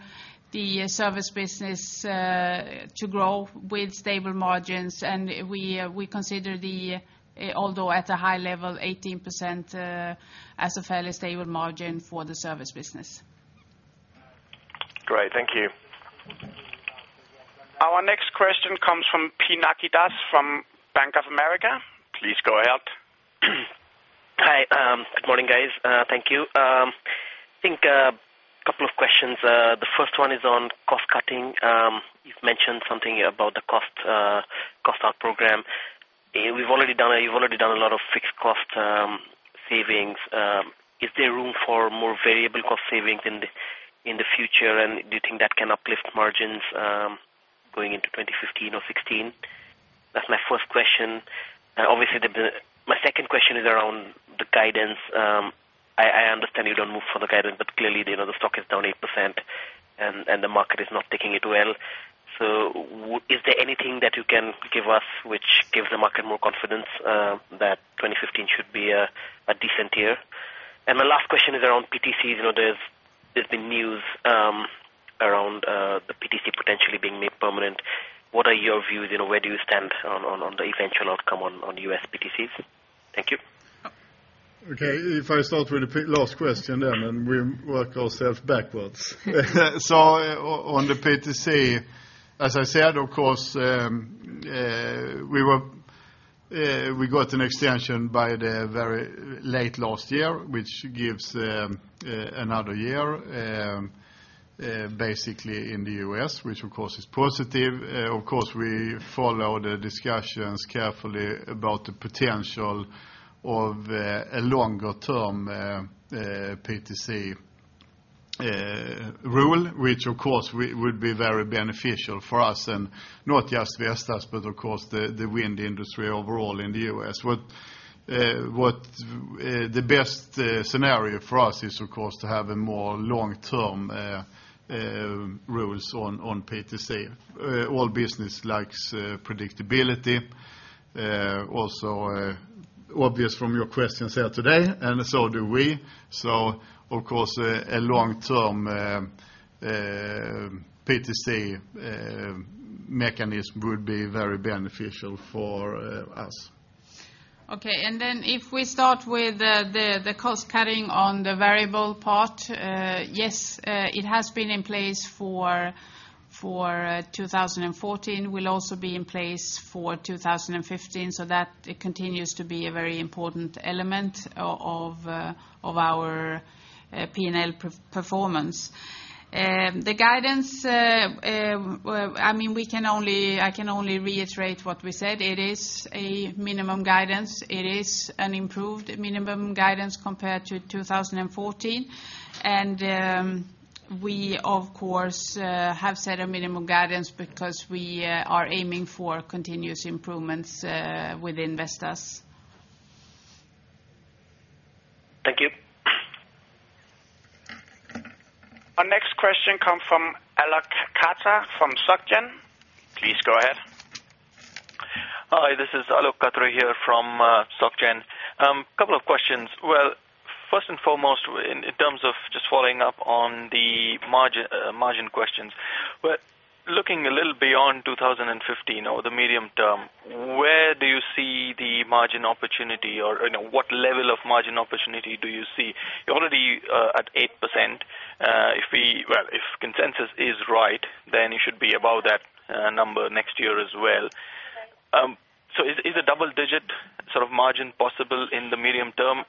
the service business to grow with stable margins, and we consider, although at a high level, 18% as a fairly stable margin for the service business. Great, thank you. Our next question comes from Pinaki Das from Bank of America. Please go ahead. Hi, good morning, guys. Thank you. I think a couple of questions. The first one is on cost cutting. You've mentioned something about the cost-out program. You've already done a lot of fixed cost savings. Is there room for more variable cost savings in the future, and do you think that can uplift margins going into 2015 or 2016? That's my first question. Obviously, my second question is around the guidance. I understand you don't move for the guidance, but clearly, you know, the stock is down 8%, and the market is not taking it well. So is there anything that you can give us which gives the market more confidence that 2015 should be a decent year? My last question is around PTCs. You know, there's been news around the PTC potentially being made permanent. What are your views, and where do you stand on the eventual outcome on US PTCs? Thank you. Okay, if I start with the last question then, and we work ourselves backwards. So on the PTC, as I said, of course, we got an extension by the very late last year, which gives another year basically in the US, which of course is positive. Of course, we follow the discussions carefully about the potential of a longer-term PTC rule, which of course would be very beneficial for us, and not just Vestas, but of course the wind industry overall in the US. What the best scenario for us is, of course, to have a more long-term rules on PTC. All business likes predictability, also obvious from your questions here today, and so do we. So of course, a long-term PTC mechanism would be very beneficial for us. Okay, and then if we start with the cost cutting on the variable part, yes, it has been in place for 2014, will also be in place for 2015, so that continues to be a very important element of our P&L performance. The guidance, I mean, we can only, I can only reiterate what we said. It is a minimum guidance. It is an improved minimum guidance compared to 2014. We of course, have set a minimum guidance because we are aiming for continuous improvements within Vestas. Thank you. Our next question comes from Alok Katre from SocGen. Please go ahead. Hi, this is Alok Katre here from SocGen. Couple of questions. Well, first and foremost, in terms of just following up on the margin, margin questions, but looking a little beyond 2015 or the medium term, where do you see the margin opportunity or, you know, what level of margin opportunity do you see? You're already at 8%. If, well, if consensus is right, then it should be above that number next year as well. So is a double-digit sort of margin possible in the medium term?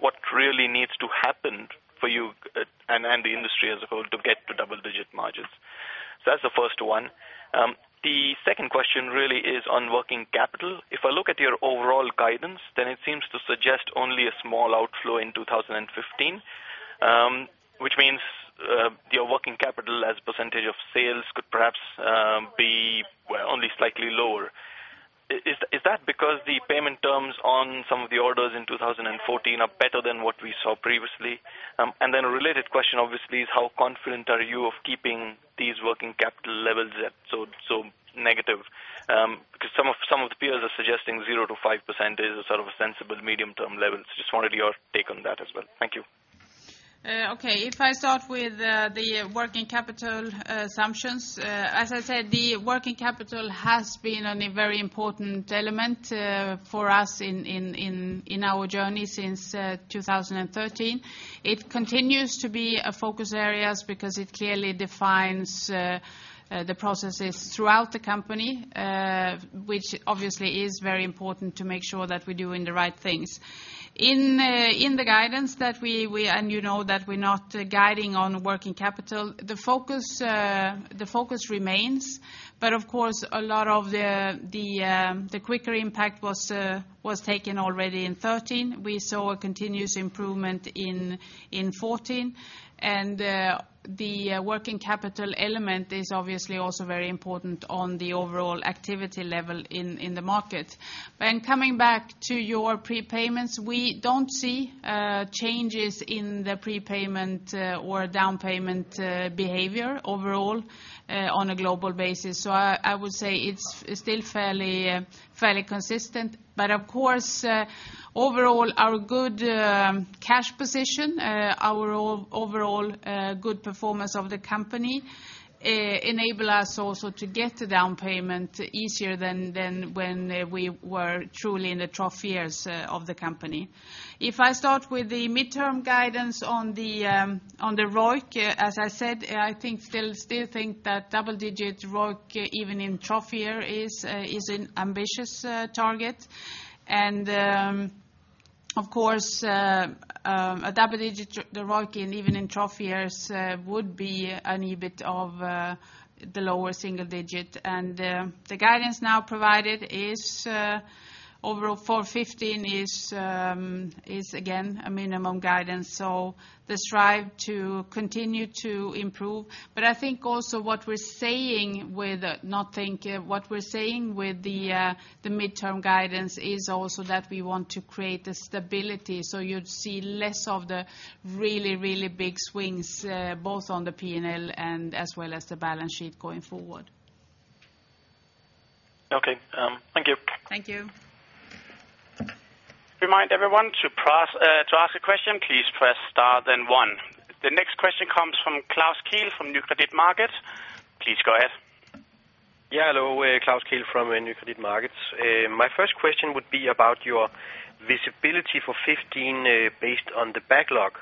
What really needs to happen for you and the industry as a whole to get to double-digit margins? So that's the first one. The second question really is on working capital. If I look at your overall guidance, then it seems to suggest only a small outflow in 2015, which means your working capital as a percentage of sales could perhaps be well only slightly lower. Is that because the payment terms on some of the orders in 2014 are better than what we saw previously? Then a related question, obviously, is how confident are you of keeping these working capital levels at so negative? Because some of the peers are suggesting 0%-5% is a sort of a sensible medium-term level. Just wanted your take on that as well. Thank you. Okay, if I start with the working capital assumptions, as I said, the working capital has been a very important element for us in our journey since 2013. It continues to be a focus areas because it clearly defines the processes throughout the company, which obviously is very important to make sure that we're doing the right things. In the guidance that we, and you know that we're not guiding on working capital. The focus remains, but of course, a lot of the quicker impact was taken already in 2013. We saw a continuous improvement in 2014, and the working capital element is obviously also very important on the overall activity level in the market. Coming back to your prepayments, we don't see changes in the prepayment or down payment behavior overall on a global basis. I would say it's still fairly consistent. But of course, overall, our good cash position, our overall good performance of the company, enable us also to get the down payment easier than when we were truly in the trough years of the company. If I start with the midterm guidance on the ROIC, as I said, I think still think that double-digit ROIC, even in trough year, is an ambitious target. Of course, a double-digit ROIC even in trough years would be an EBIT of the lower single digit. The guidance now provided is overall 2015 is again a minimum guidance, so to strive to continue to improve. But I think also what we're saying with the midterm guidance is also that we want to create a stability, so you'd see less of the really, really big swings both on the P&L and as well as the balance sheet going forward. Okay, thank you. Thank you. Remind everyone to press to ask a question, please press star, then one. The next question comes from Klaus Kehl, from Nykredit Markets. Please go ahead. Yeah, hello, Klaus Kehl from Nykredit Markets. My first question would be about your visibility for 2015, based on the backlog.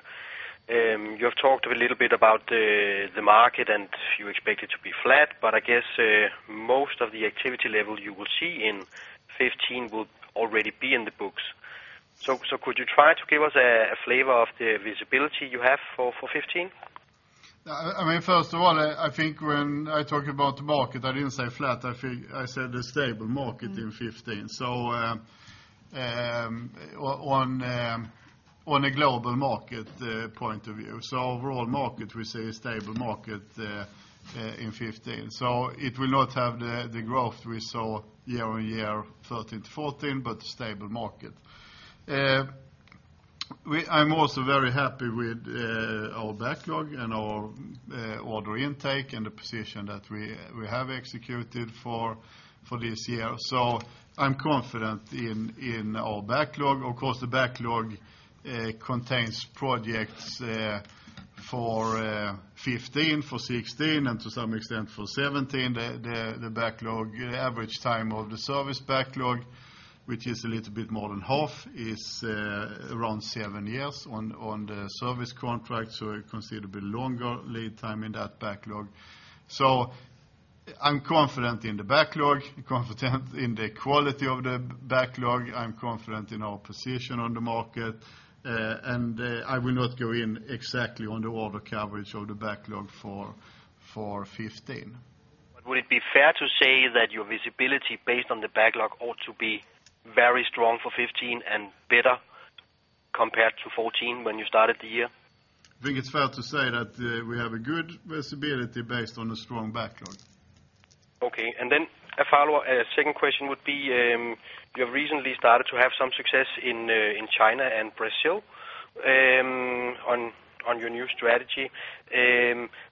You have talked a little bit about the market, and you expect it to be flat, but I guess most of the activity level you will see in 2015 will already be in the books. Could you try to give us a flavor of the visibility you have for 2015? I mean, first of all, I think when I talk about the market, I didn't say flat, I feel- I said a stable market in 2015. So, on a global market point of view. So overall market, we see a stable market in 2015. So it will not have the growth we saw year-on-year, 2013 to 2014, but a stable market. I'm also very happy with our backlog and our order intake and the position that we have executed for this year, so I'm confident in our backlog. Of course, the backlog contains projects for 2015, for 2016, and to some extent for 2017. The backlog, average time of the service backlog, which is a little bit more than half, is around seven years on the service contract, so a considerable longer lead time in that backlog. So I'm confident in the backlog, confident in the quality of the backlog, I'm confident in our position on the market, and I will not go in exactly on the order coverage of the backlog for 2015. Would it be fair to say that your visibility, based on the backlog, ought to be very strong for 2015 and better compared to 2014 when you started the year? I think it's fair to say that we have a good visibility based on a strong backlog. Okay. Then a follow-up, second question would be, you have recently started to have some success in China and Brazil, on your new strategy,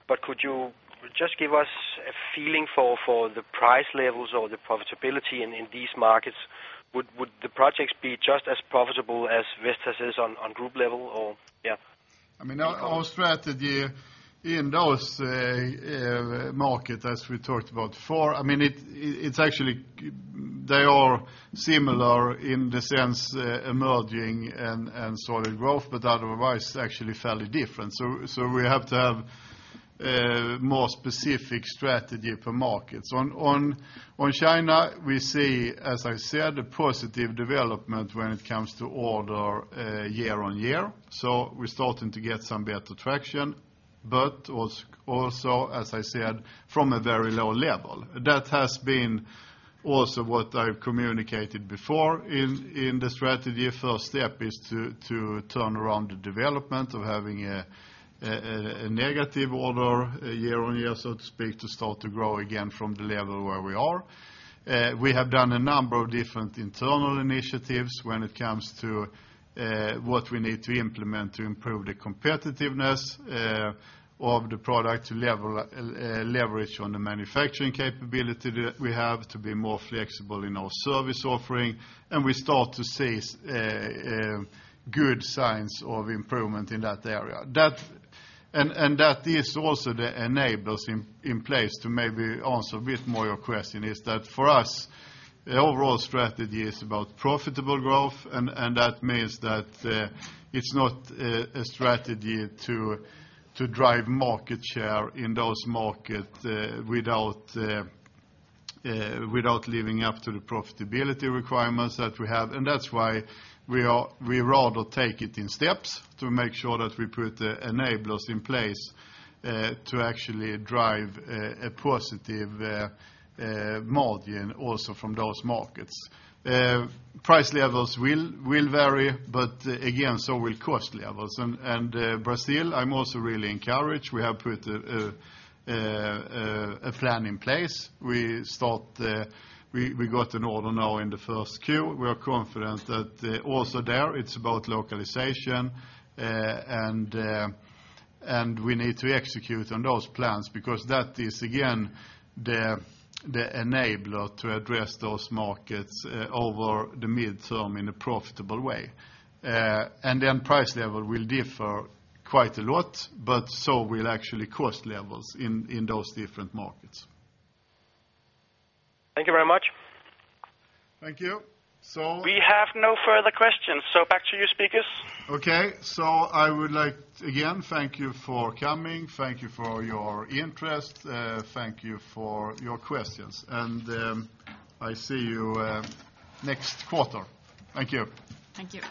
but could you just give us a feeling for the price levels or the profitability in these markets? Would the projects be just as profitable as Vestas is on group level or, yeah? I mean, our strategy in those markets, as we talked about before, I mean, it's actually. They are similar in the sense, emerging and solid growth, but otherwise, actually fairly different. So we have to have a more specific strategy per market. So on China, we see, as I said, a positive development when it comes to order year-on-year, so we're starting to get some better traction, but also, as I said, from a very low level. That has been also what I've communicated before in the strategy. First step is to turn around the development of having a negative order year-on-year, so to speak, to start to grow again from the level where we are. We have done a number of different internal initiatives when it comes to what we need to implement to improve the competitiveness of the product to level leverage on the manufacturing capability that we have, to be more flexible in our service offering, and we start to see good signs of improvement in that area. That, and that is also the enablers in place to maybe answer a bit more your question, is that for us, the overall strategy is about profitable growth, and that means that it's not a strategy to drive market share in those markets without without living up to the profitability requirements that we have. That's why we rather take it in steps to make sure that we put the enablers in place to actually drive a positive margin also from those markets. Price levels will vary, but again, so will cost levels. Brazil, I'm also really encouraged. We have put a plan in place. We got an order now in the first quarter. We are confident that also there, it's about localization and we need to execute on those plans because that is, again, the enabler to address those markets over the medium term in a profitable way. And then price level will differ quite a lot, but so will actually cost levels in those different markets. Thank you very much. Thank you. We have no further questions, so back to you, speakers. Okay. So I would like to again thank you for coming, thank you for your interest, thank you for your questions. I see you next quarter. Thank you. Thank you.